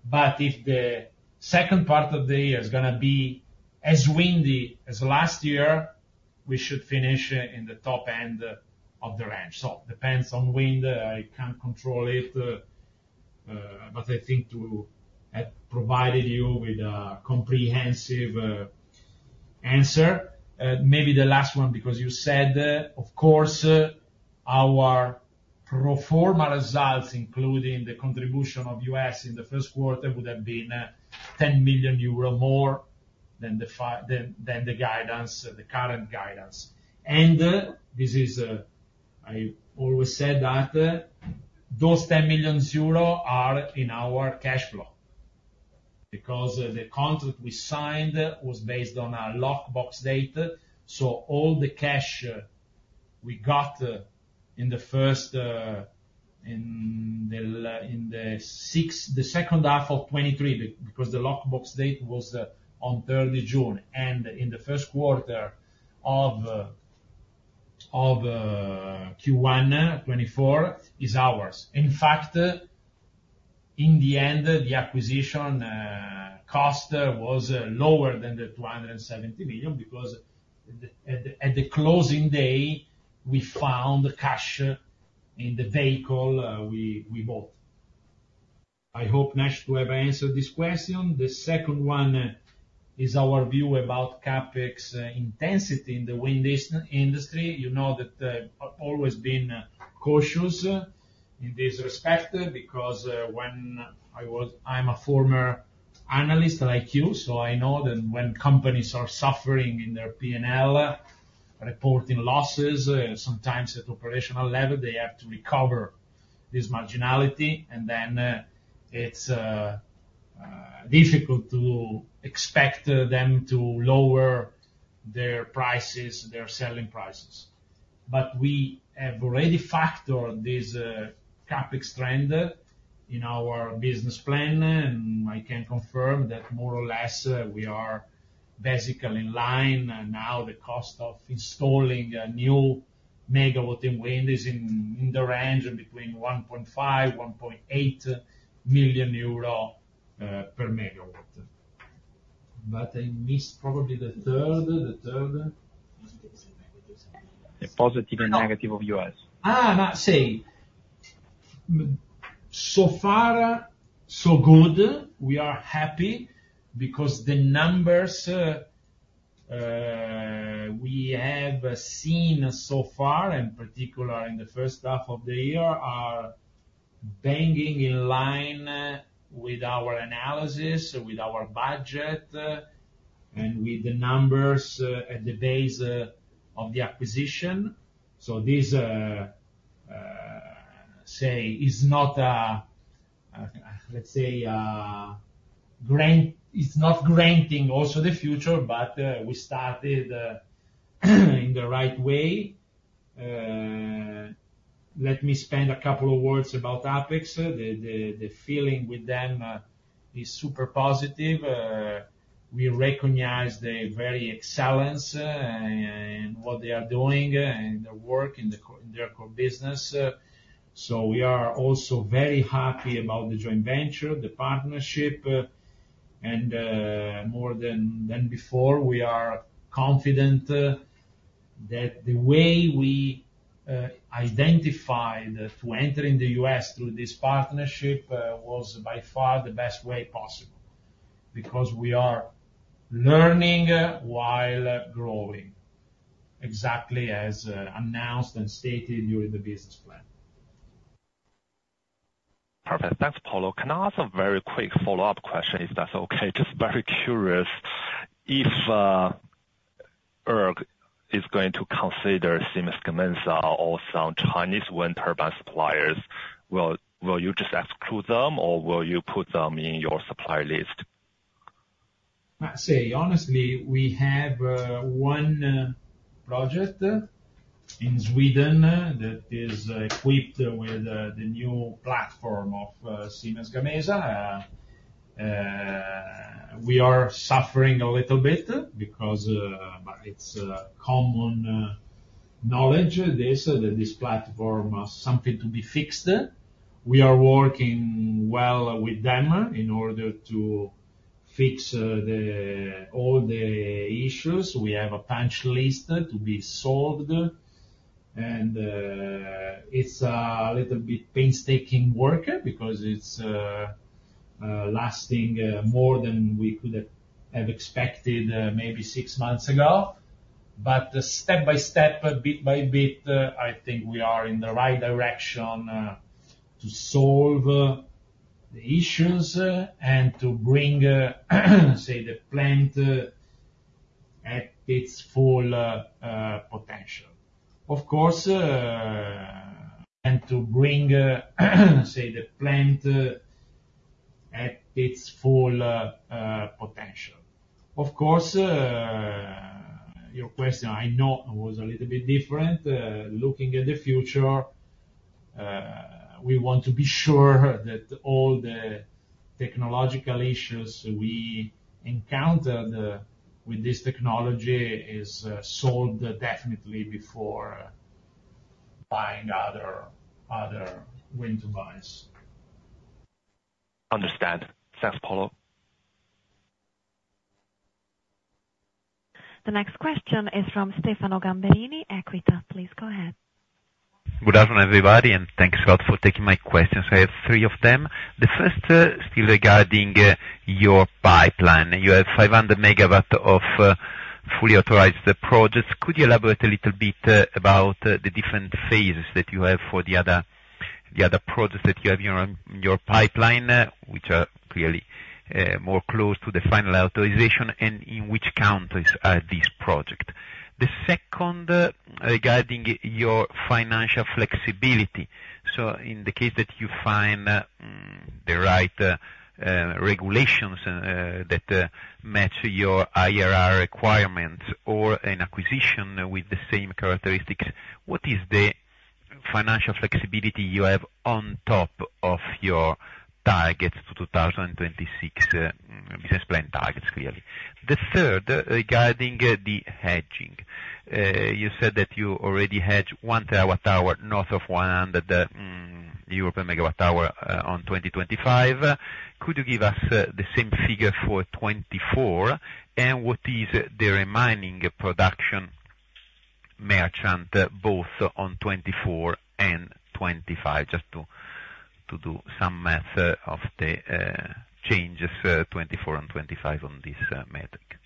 But if the second part of the year is going to be as windy as last year, we should finish, in the top end, of the range. So depends on wind, I can't control it, but I think I provided you with a comprehensive, answer. Maybe the last one, because you said, of course, our pro forma results, including the contribution of U.S. in the first quarter, would have been, 10 million euro more than the guidance, the current guidance. I always said that those 10 million euro are in our cash flow, because the contract we signed was based on our Lock Box Date. So all the cash we got in the second half of 2023, because the Lock Box Date was on June 30, and in the first quarter of Q1 2024, is ours. In fact, in the end, the acquisition cost was lower than 270 million, because at the closing day, we found the cash in the vehicle we bought. I hope, Nash, to have answered this question. The second one is our view about CapEx intensity in the wind industry. You know that, I've always been cautious in this respect, because when I was-- I'm a former analyst like you, so I know that when companies are suffering in their P&L, reporting losses, sometimes at operational level, they have to recover this marginality, and then it's difficult to expect them to lower their prices, their selling prices. But we have already factored this CapEx trend in our business plan, and I can confirm that more or less we are basically in line. And now, the cost of installing a new megawatt in wind is in the range between 1.5 million-1.8 million euro per megawatt. But I missed probably the third, the third? The positive and negative of U.S. That said. So far, so good. We are happy, because the numbers we have seen so far, and particularly in the first half of the year, are bang in line with our analysis, with our budget, and with the numbers at the basis of the acquisition. So this is not, let's say, granting also the future, but we started in the right way. Let me spend a couple of words about Apex. The feeling with them is super positive. We recognize their excellence in what they are doing and their work in their core business. So we are also very happy about the joint venture, the partnership, and more than before, we are confident... That the way we identified to enter in the U.S. through this partnership was by far the best way possible, because we are learning while growing, exactly as announced and stated during the business plan. Perfect. Thanks, Paolo. Can I ask a very quick follow-up question, if that's okay? Just very curious, if ERG is going to consider Siemens Gamesa or some Chinese wind turbine suppliers, will you just exclude them, or will you put them in your supplier list? I'd say, honestly, we have one project in Sweden that is equipped with the new platform of Siemens Gamesa. We are suffering a little bit because but it's common knowledge this that this platform has something to be fixed. We are working well with them in order to fix the all the issues. We have a punch list to be solved, and it's a little bit painstaking work because it's lasting more than we could have expected maybe six months ago. But step by step, bit by bit, I think we are in the right direction to solve the issues and to bring, say, the plant at its full potential. Of course, and to bring, say, the plant at its full potential. Of course, your question, I know, was a little bit different. Looking at the future, we want to be sure that all the technological issues we encountered with this technology is solved definitely before buying other, other wind turbines. Understand. Thanks, Paolo. The next question is from Stefano Gamberini, Equita. Please go ahead. Good afternoon, everybody, and thanks a lot for taking my questions. I have three of them. The first, still regarding your pipeline. You have 500 MW of fully authorized projects. Could you elaborate a little bit about the different phases that you have for the other, the other projects that you have in your, your pipeline, which are clearly more close to the final authorization, and in which countries are this project? The second, regarding your financial flexibility. So in the case that you find the right regulations that match your IRR requirements or an acquisition with the same characteristics, what is the financial flexibility you have on top of your targets to 2026 business plan targets, clearly? The third, regarding the hedging. You said that you already hedged 1 TWh north of 100/MWh on 2025. Could you give us the same figure for 2024? And what is the remaining production merchant, both on 2024 and 2025, just to do some math of the changes 2024 and 2025 on this metric.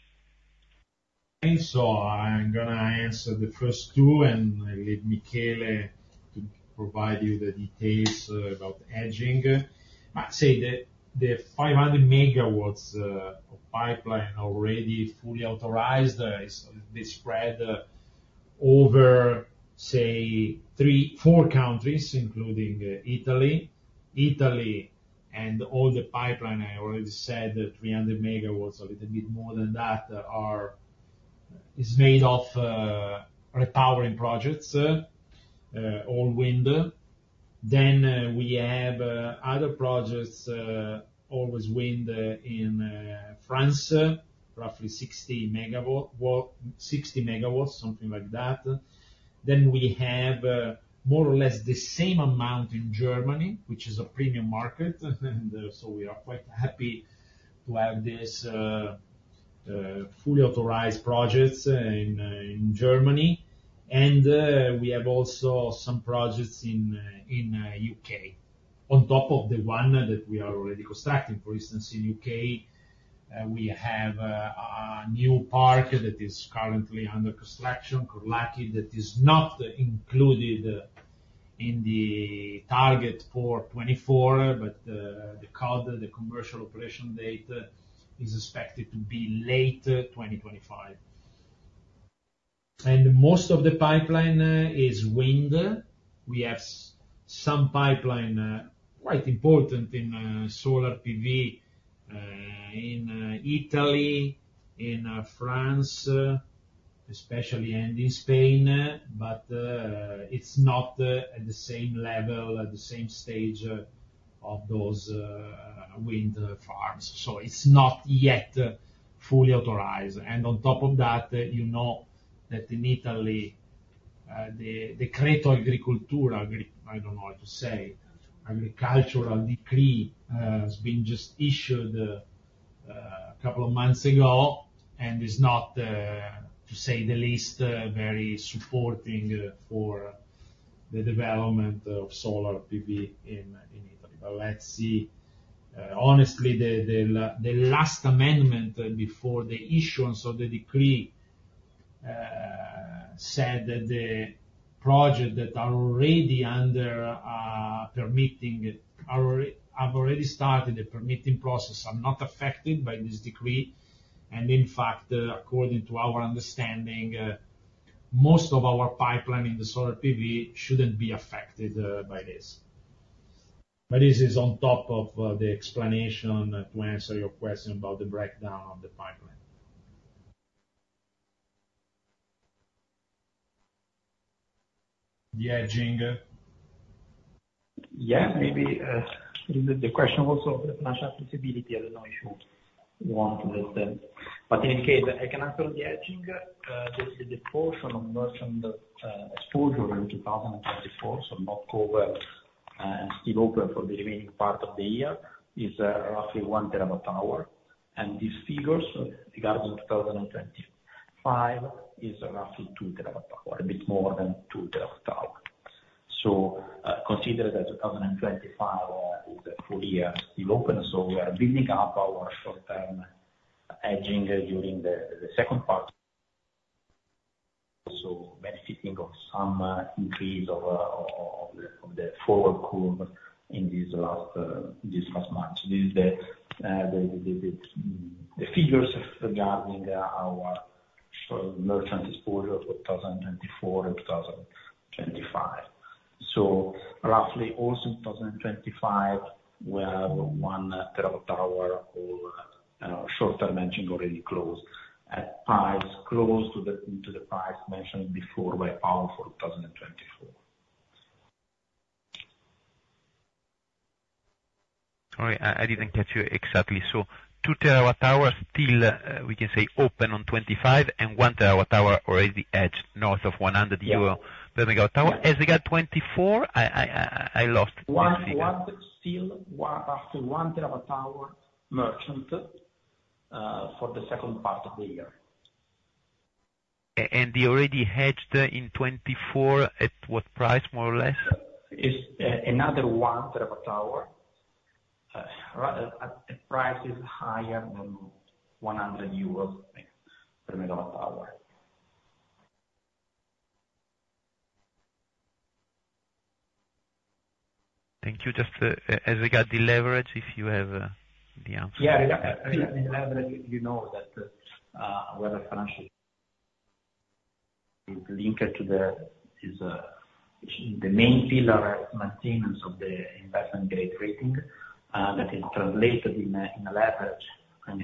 So I'm gonna answer the first two, and I leave Michele to provide you the details about hedging. Say, the 500 MW of pipeline already fully authorized is they spread over, say, three or four countries, including Italy. And all the pipeline, I already said, that 300 MW, a little bit more than that, are is made of repowering projects, all wind. Then we have other projects, always wind, in France, roughly 60 MW, something like that. Then we have more or less the same amount in Germany, which is a premium market, and so we are quite happy to have this fully authorized projects in Germany. We have also some projects in the U.K., on top of the one that we are already constructing. For instance, in the U.K., we have a new park that is currently under construction, Corlacky, that is not included in the target for 2024, but the COD, the commercial operation date, is expected to be late 2025. And most of the pipeline is wind. We have some pipeline quite important in solar PV in Italy, in France especially and in Spain, but it's not at the same level, at the same stage of those wind farms, so it's not yet fully authorized. And on top of that, you know that in Italy-... The Decreto Agricoltura, I don't know how to say, Agricultural Decree, has been just issued a couple of months ago, and is not, to say the least, very supporting for the development of solar PV in Italy. But let's see. Honestly, the last amendment before the issuance of the decree said that the projects that are already under permitting, have already started the permitting process are not affected by this decree. And in fact, according to our understanding, most of our pipeline in the solar PV shouldn't be affected by this. But this is on top of the explanation, to answer your question about the breakdown of the pipeline. The hedging? Yeah, maybe, is it the question also of financial flexibility? I don't know if you want to address that. But in any case, I can answer on the hedging. This is the portion of merchant exposure in 2024, so not covered and still open for the remaining part of the year, is roughly 1 TWh. And these figures, regarding 2025, is roughly 2 TWh, a bit more than 2 TWh. So, consider that 2025 is a full year still open, so we are building up our short-term hedging during the second part. So benefiting of some increase of the forward curve in these last months. This is the figures regarding our merchant exposure for 2024 and 2025. So roughly, also in 2025, we have 1 TWh of short-term hedging already closed, at price close to the price mentioned before by Paolo for 2024. Sorry, I didn't catch you exactly. So 2 TWh still, we can say, open on 25, and 1 TWh already hedged, north of 100 euro Yeah. megawatt hour. As we got 24, I lost- 1, 1 still, 1, after 1 TWh merchant for the second part of the year. And the already hedged in 2024, at what price, more or less? It's another 1 terawatt hour. At the price is higher than EUR 100/MWh. Thank you. Just as we got the leverage, if you have the answer. Yeah, leverage, you know, that our financial policy is linked to the main pillar, maintenance of the investment grade rating, that is translated into a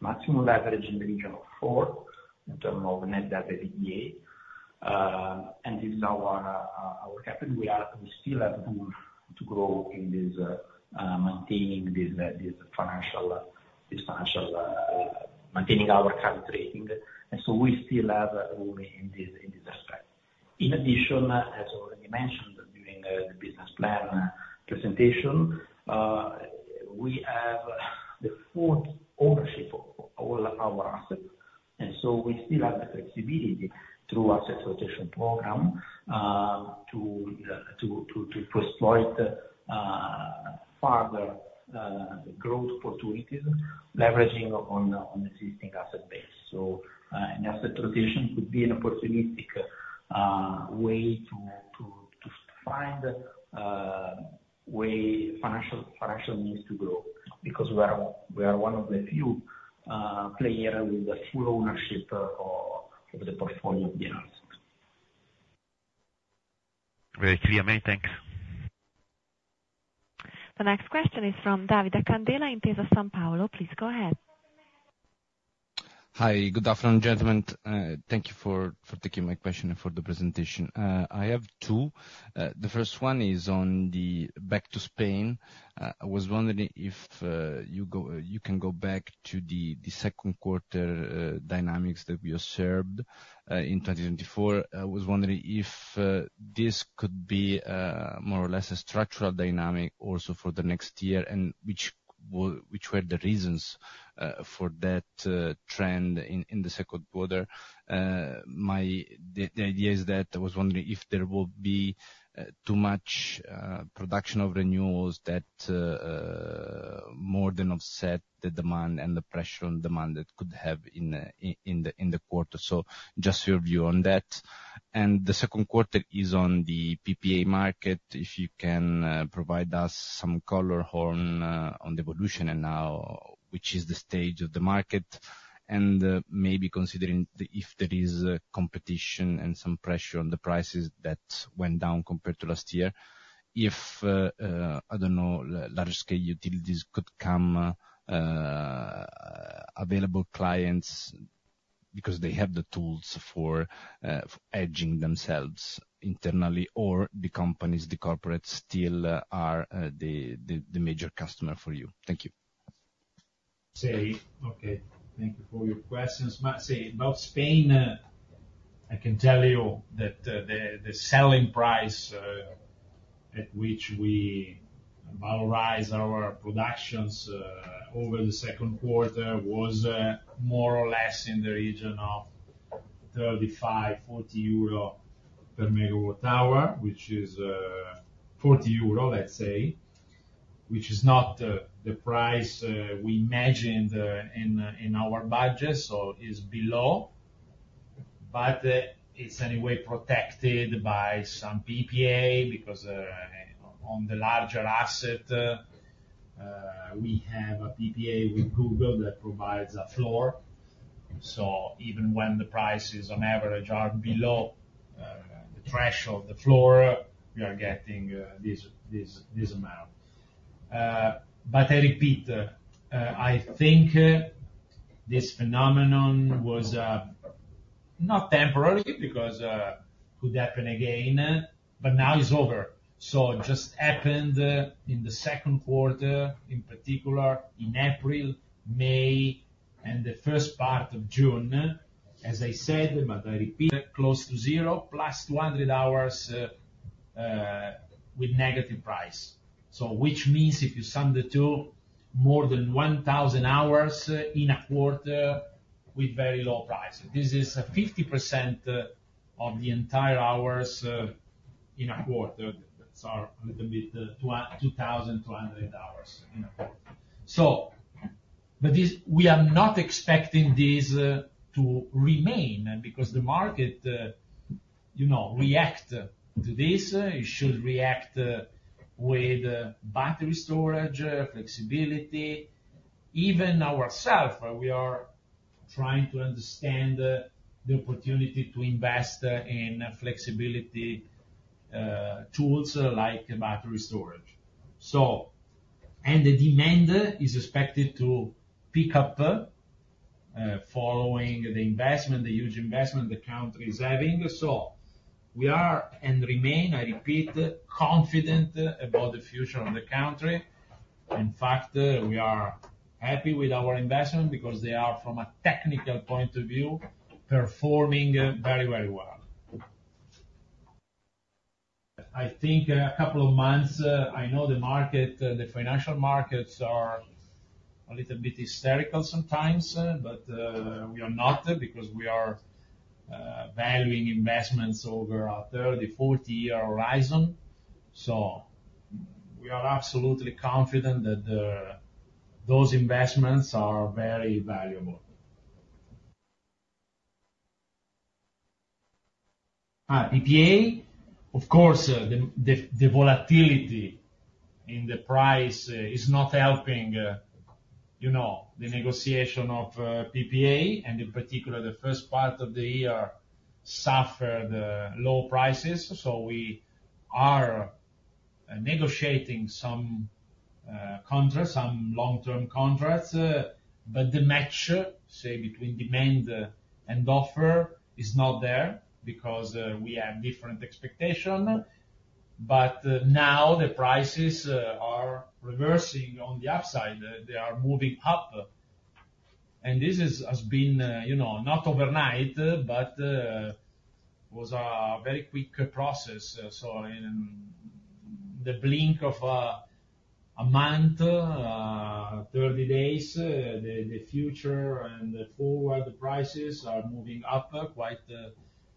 maximum leverage in the region of 4, in terms of net debt to EBITDA. This is our capital. We still have room to grow in this, maintaining this financial, maintaining our current rating, and so we still have room in this aspect. In addition, as already mentioned during the business plan presentation, we have the full ownership of all our assets, and so we still have the flexibility through our asset rotation program to exploit further growth opportunities, leveraging on existing asset base. So, an asset transition would be an opportunistic way to find financial means to grow, because we are one of the few player with the full ownership of the portfolio of the assets. Great. See you, mate. Thanks. The next question is from Davide Candela, Intesa Sanpaolo. Please go ahead. Hi, good afternoon, gentlemen. Thank you for taking my question and for the presentation. I have two. The first one is on the back to Spain. I was wondering if you can go back to the second quarter dynamics that we observed in 2024. I was wondering if this could be more or less a structural dynamic also for the next year, and which were the reasons for that trend in the second quarter? The idea is that I was wondering if there will be too much production of renewables that more than offset the demand and the pressure on demand that could have in the quarter. So just your view on that. My second question is on the PPA market. If you can provide us some color on the evolution, and now what is the stage of the market? And maybe considering if there is competition and some pressure on the prices that went down compared to last year, if large scale utilities could come available as clients, because they have the tools for hedging themselves internally, or if the companies, the corporates, still are the major customer for you. Thank you. Say, okay, thank you for your questions. But say, about Spain, I can tell you that the selling price at which we valorize our productions over the second quarter was more or less in the region of 35/MWh-40 euro/MWh, which is 40 euro/MWh, let's say, which is not the price we imagined in our budget, so is below. But it's anyway protected by some PPA, because on the larger asset we have a PPA with Google that provides a floor. So even when the prices on average are below the threshold, the floor, we are getting this amount. But I repeat, I think this phenomenon was not temporary, because could happen again, but now is over. So it just happened in the second quarter, in particular in April, May, and the first part of June. As I said, but I repeat, close to zero, 200+ hours with negative price. So which means if you sum the two, more than 1,000 hours in a quarter with very low price. This is a 50% of the entire hours in a quarter. That's are a little bit 2002 hours in a quarter. So, but this, we are not expecting this to remain, because the market, you know, react to this. It should react with battery storage, flexibility. Even ourself, we are trying to understand the opportunity to invest in flexibility tools, like battery storage. So... The demand is expected to pick up, following the investment, the huge investment the country is having. So we are, and remain, I repeat, confident about the future of the country. In fact, we are happy with our investment because they are, from a technical point of view, performing very, very well. I think a couple of months, I know the market, the financial markets are a little bit hysterical sometimes, but we are not, because we are valuing investments over a 30, 40-year horizon. So we are absolutely confident that those investments are very valuable. PPA, of course, the volatility in the price is not helping, you know, the negotiation of PPA, and in particular, the first part of the year suffered low prices. So we are negotiating some contracts, some long-term contracts, but the match, say, between demand and offer is not there, because we have different expectation. But now the prices are reversing on the upside. They are moving up. And this has been, you know, not overnight, but was a very quick process. So in the blink of a month, 30 days, the future and the forward prices are moving up quite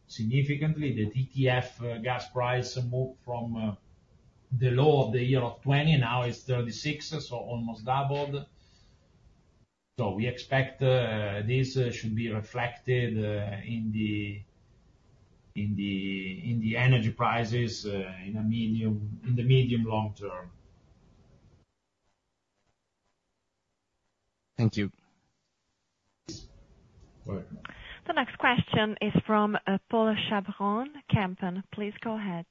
significantly. The TTF gas price moved from the low of the year of 20, now it's 36, so almost doubled. So we expect this should be reflected in the energy prices in a medium, in the medium long term. Thank you. All right. The next question is from [Paul Rouaud-Chavron], Kempen. Please go ahead.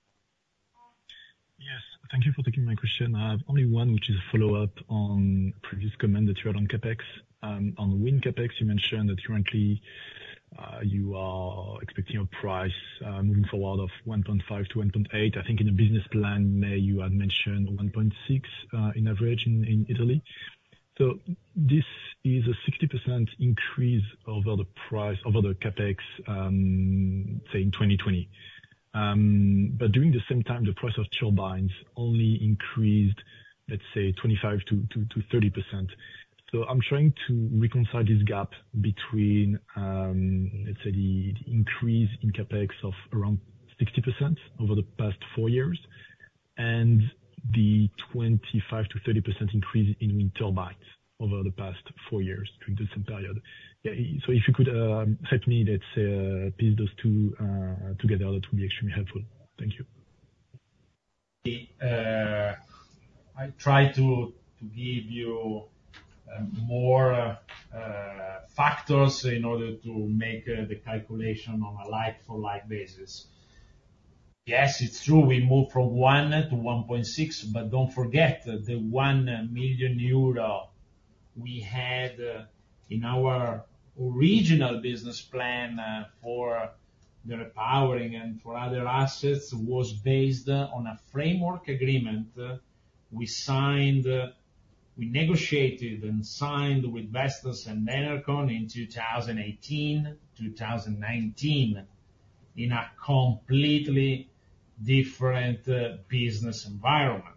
Yes, thank you for taking my question. I have only one, which is a follow-up on previous comment that you had on CapEx. On wind CapEx, you mentioned that currently you are expecting a price moving forward of 1.5-1.8. I think in the business plan, May, you had mentioned 1.6 in average in Italy. So this is a 60% increase over the price, over the CapEx, say, in 2020. But during the same time, the price of turbines only increased, let's say, 25%-30%. So I'm trying to reconcile this gap between, let's say, the increase in CapEx of around 60% over the past four years, and the 25%-30% increase in wind turbines over the past four years during the same period. Yeah, so if you could, help me, let's say, piece those two together, that would be extremely helpful. Thank you. I try to give you more factors in order to make the calculation on a like-for-like basis. Yes, it's true, we moved from 1-1.6, but don't forget the 1 million euro we had in our original business plan, the repowering and for other assets was based on a framework agreement we signed, we negotiated and signed with Vestas and Enercon in 2018, 2019, in a completely different business environment.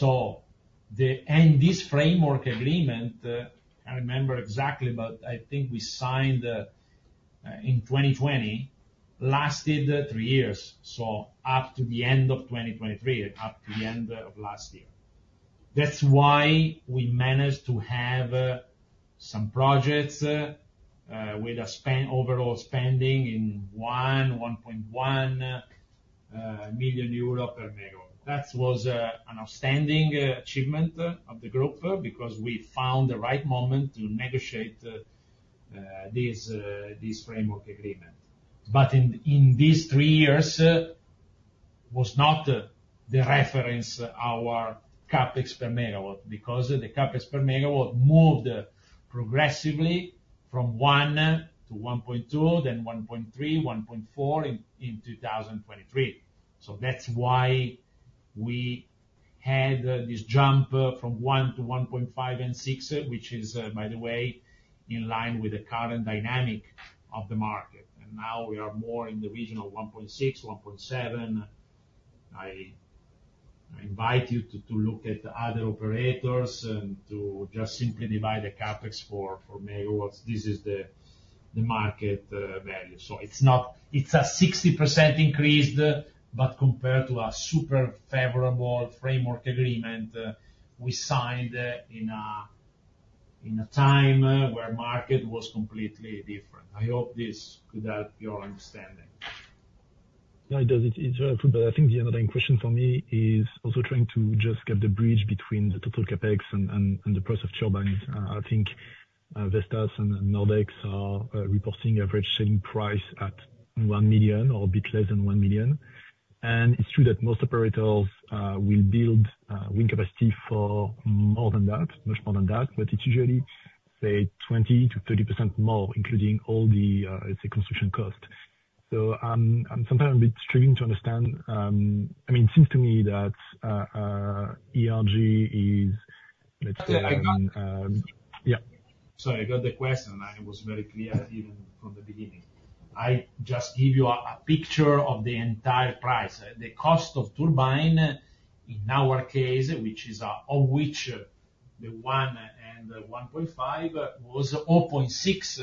And this framework agreement, I remember exactly, but I think we signed in 2020, lasted three years, so up to the end of 2023, up to the end of last year. That's why we managed to have some projects with overall spending in 1.1 million euro/MW. That was an outstanding achievement of the group, because we found the right moment to negotiate this framework agreement. But in these three years, was not the reference, our CapEx per megawatt, because the CapEx per megawatt moved progressively from 1 million/MW-1.2 million/MW, then 1.3 million/MW, 1.4 million/MW in 2023. So that's why we had this jump from 1 million/MW-1.5 million/MW and 1.6 million/MW, which is, by the way, in line with the current dynamic of the market. And now we are more in the region of 1.6 million/MW, 1.7 million/MW. I invite you to look at the other operators, and to just simply divide the CapEx for megawatts. This is the market value. So it's not. It's a 60% increase, but compared to a super favorable framework agreement we signed in a time where market was completely different. I hope this could help your understanding. Yeah, it does. It's helpful, but I think the underlying question for me is also trying to just get the bridge between the total CapEx and the price of turbines. I think Vestas and Nordex are reporting average selling price at 1 million or a bit less than 1 million. And it's true that most operators will build wind capacity for more than that, much more than that, but it's usually, say, 20%-30% more, including all the construction cost. So, I'm sometimes a bit struggling to understand... I mean, it seems to me that ERG is, let's say, Yeah, I got- Yeah. Sorry, I got the question. I was very clear, even from the beginning. I just give you a picture of the entire price. The cost of turbine, in our case, which is, of which the 1 and 1.5 was 0.6.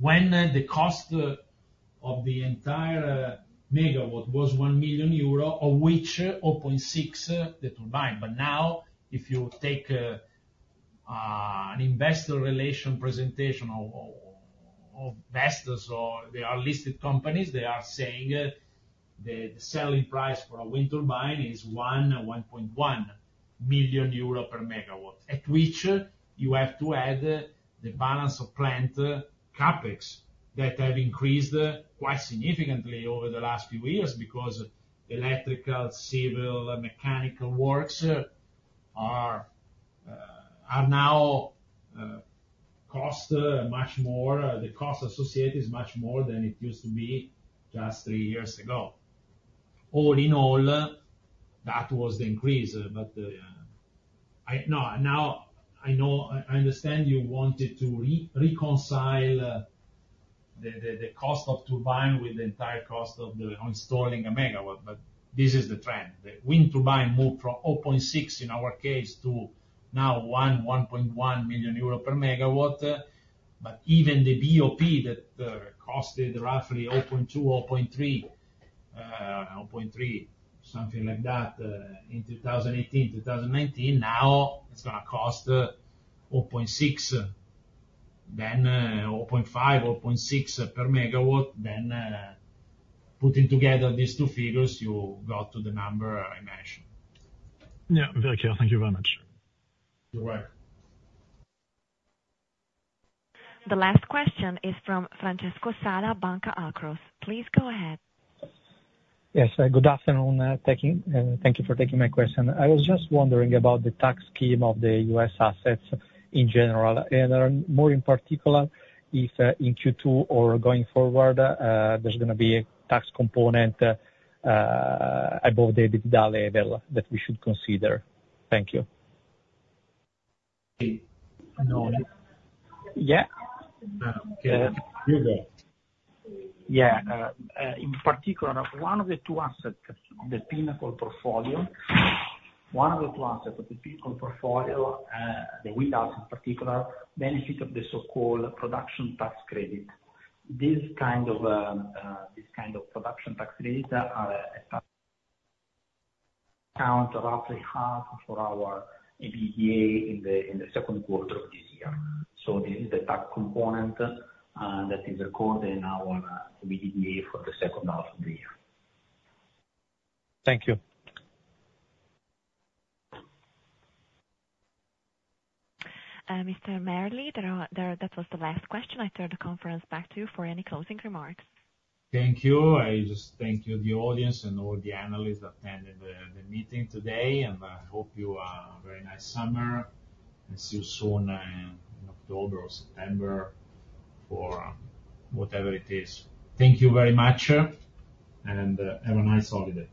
When the cost of the entire megawatt was 1 million euro, of which 0.6, the turbine. But now, if you take, an investor relation presentation of, of, Vestas or... They are listed companies, they are saying the selling price for a wind turbine is 1.1 million euro per megawatt. At which, you have to add the balance of plant CapEx, that have increased quite significantly over the last few years. Because electrical, civil, and mechanical works are now cost much more, the cost associated is much more than it used to be just three years ago. All in all, that was the increase, but I... No, now I know I understand you wanted to reconcile the cost of turbine with the entire cost of the installing a megawatt, but this is the trend. The wind turbine moved from 0.6 in our case, to now 1.1 million euro/MW. But even the BOP that costed roughly 0.2, 0.3, 0.3, something like that, in 2018, 2019, now it's gonna cost 0.6, then 0.5, 0.6/MW. Then, putting together these two figures, you got to the number I mentioned. Yeah, very clear. Thank you very much. You're welcome. The last question is from Francesco Sada, Banca Akros. Please go ahead. Yes, good afternoon, thank you, and thank you for taking my question. I was just wondering about the tax scheme of the U.S. assets in general, and more in particular, if in Q2 or going forward, there's gonna be a tax component above the EBITDA level that we should consider. Thank you. Yeah. Yeah. You go. Yeah, in particular, one of the two assets, the Pinnacle portfolio. One of the two assets of the Pinnacle portfolio, the wind assets in particular, benefit of the so-called production tax credit. This kind of, this kind of production tax credit are, account roughly half of our EBITDA in the, in the second quarter of this year. So this is the tax component, that is recorded in our EBITDA for the second half of the year. Thank you. Mr. Merli, there are. That was the last question. I turn the conference back to you for any closing remarks. Thank you. I just thank you, the audience and all the analysts attending the, the meeting today, and I hope you a very nice summer, and see you soon in October or September for whatever it is. Thank you very much, and have a nice holiday.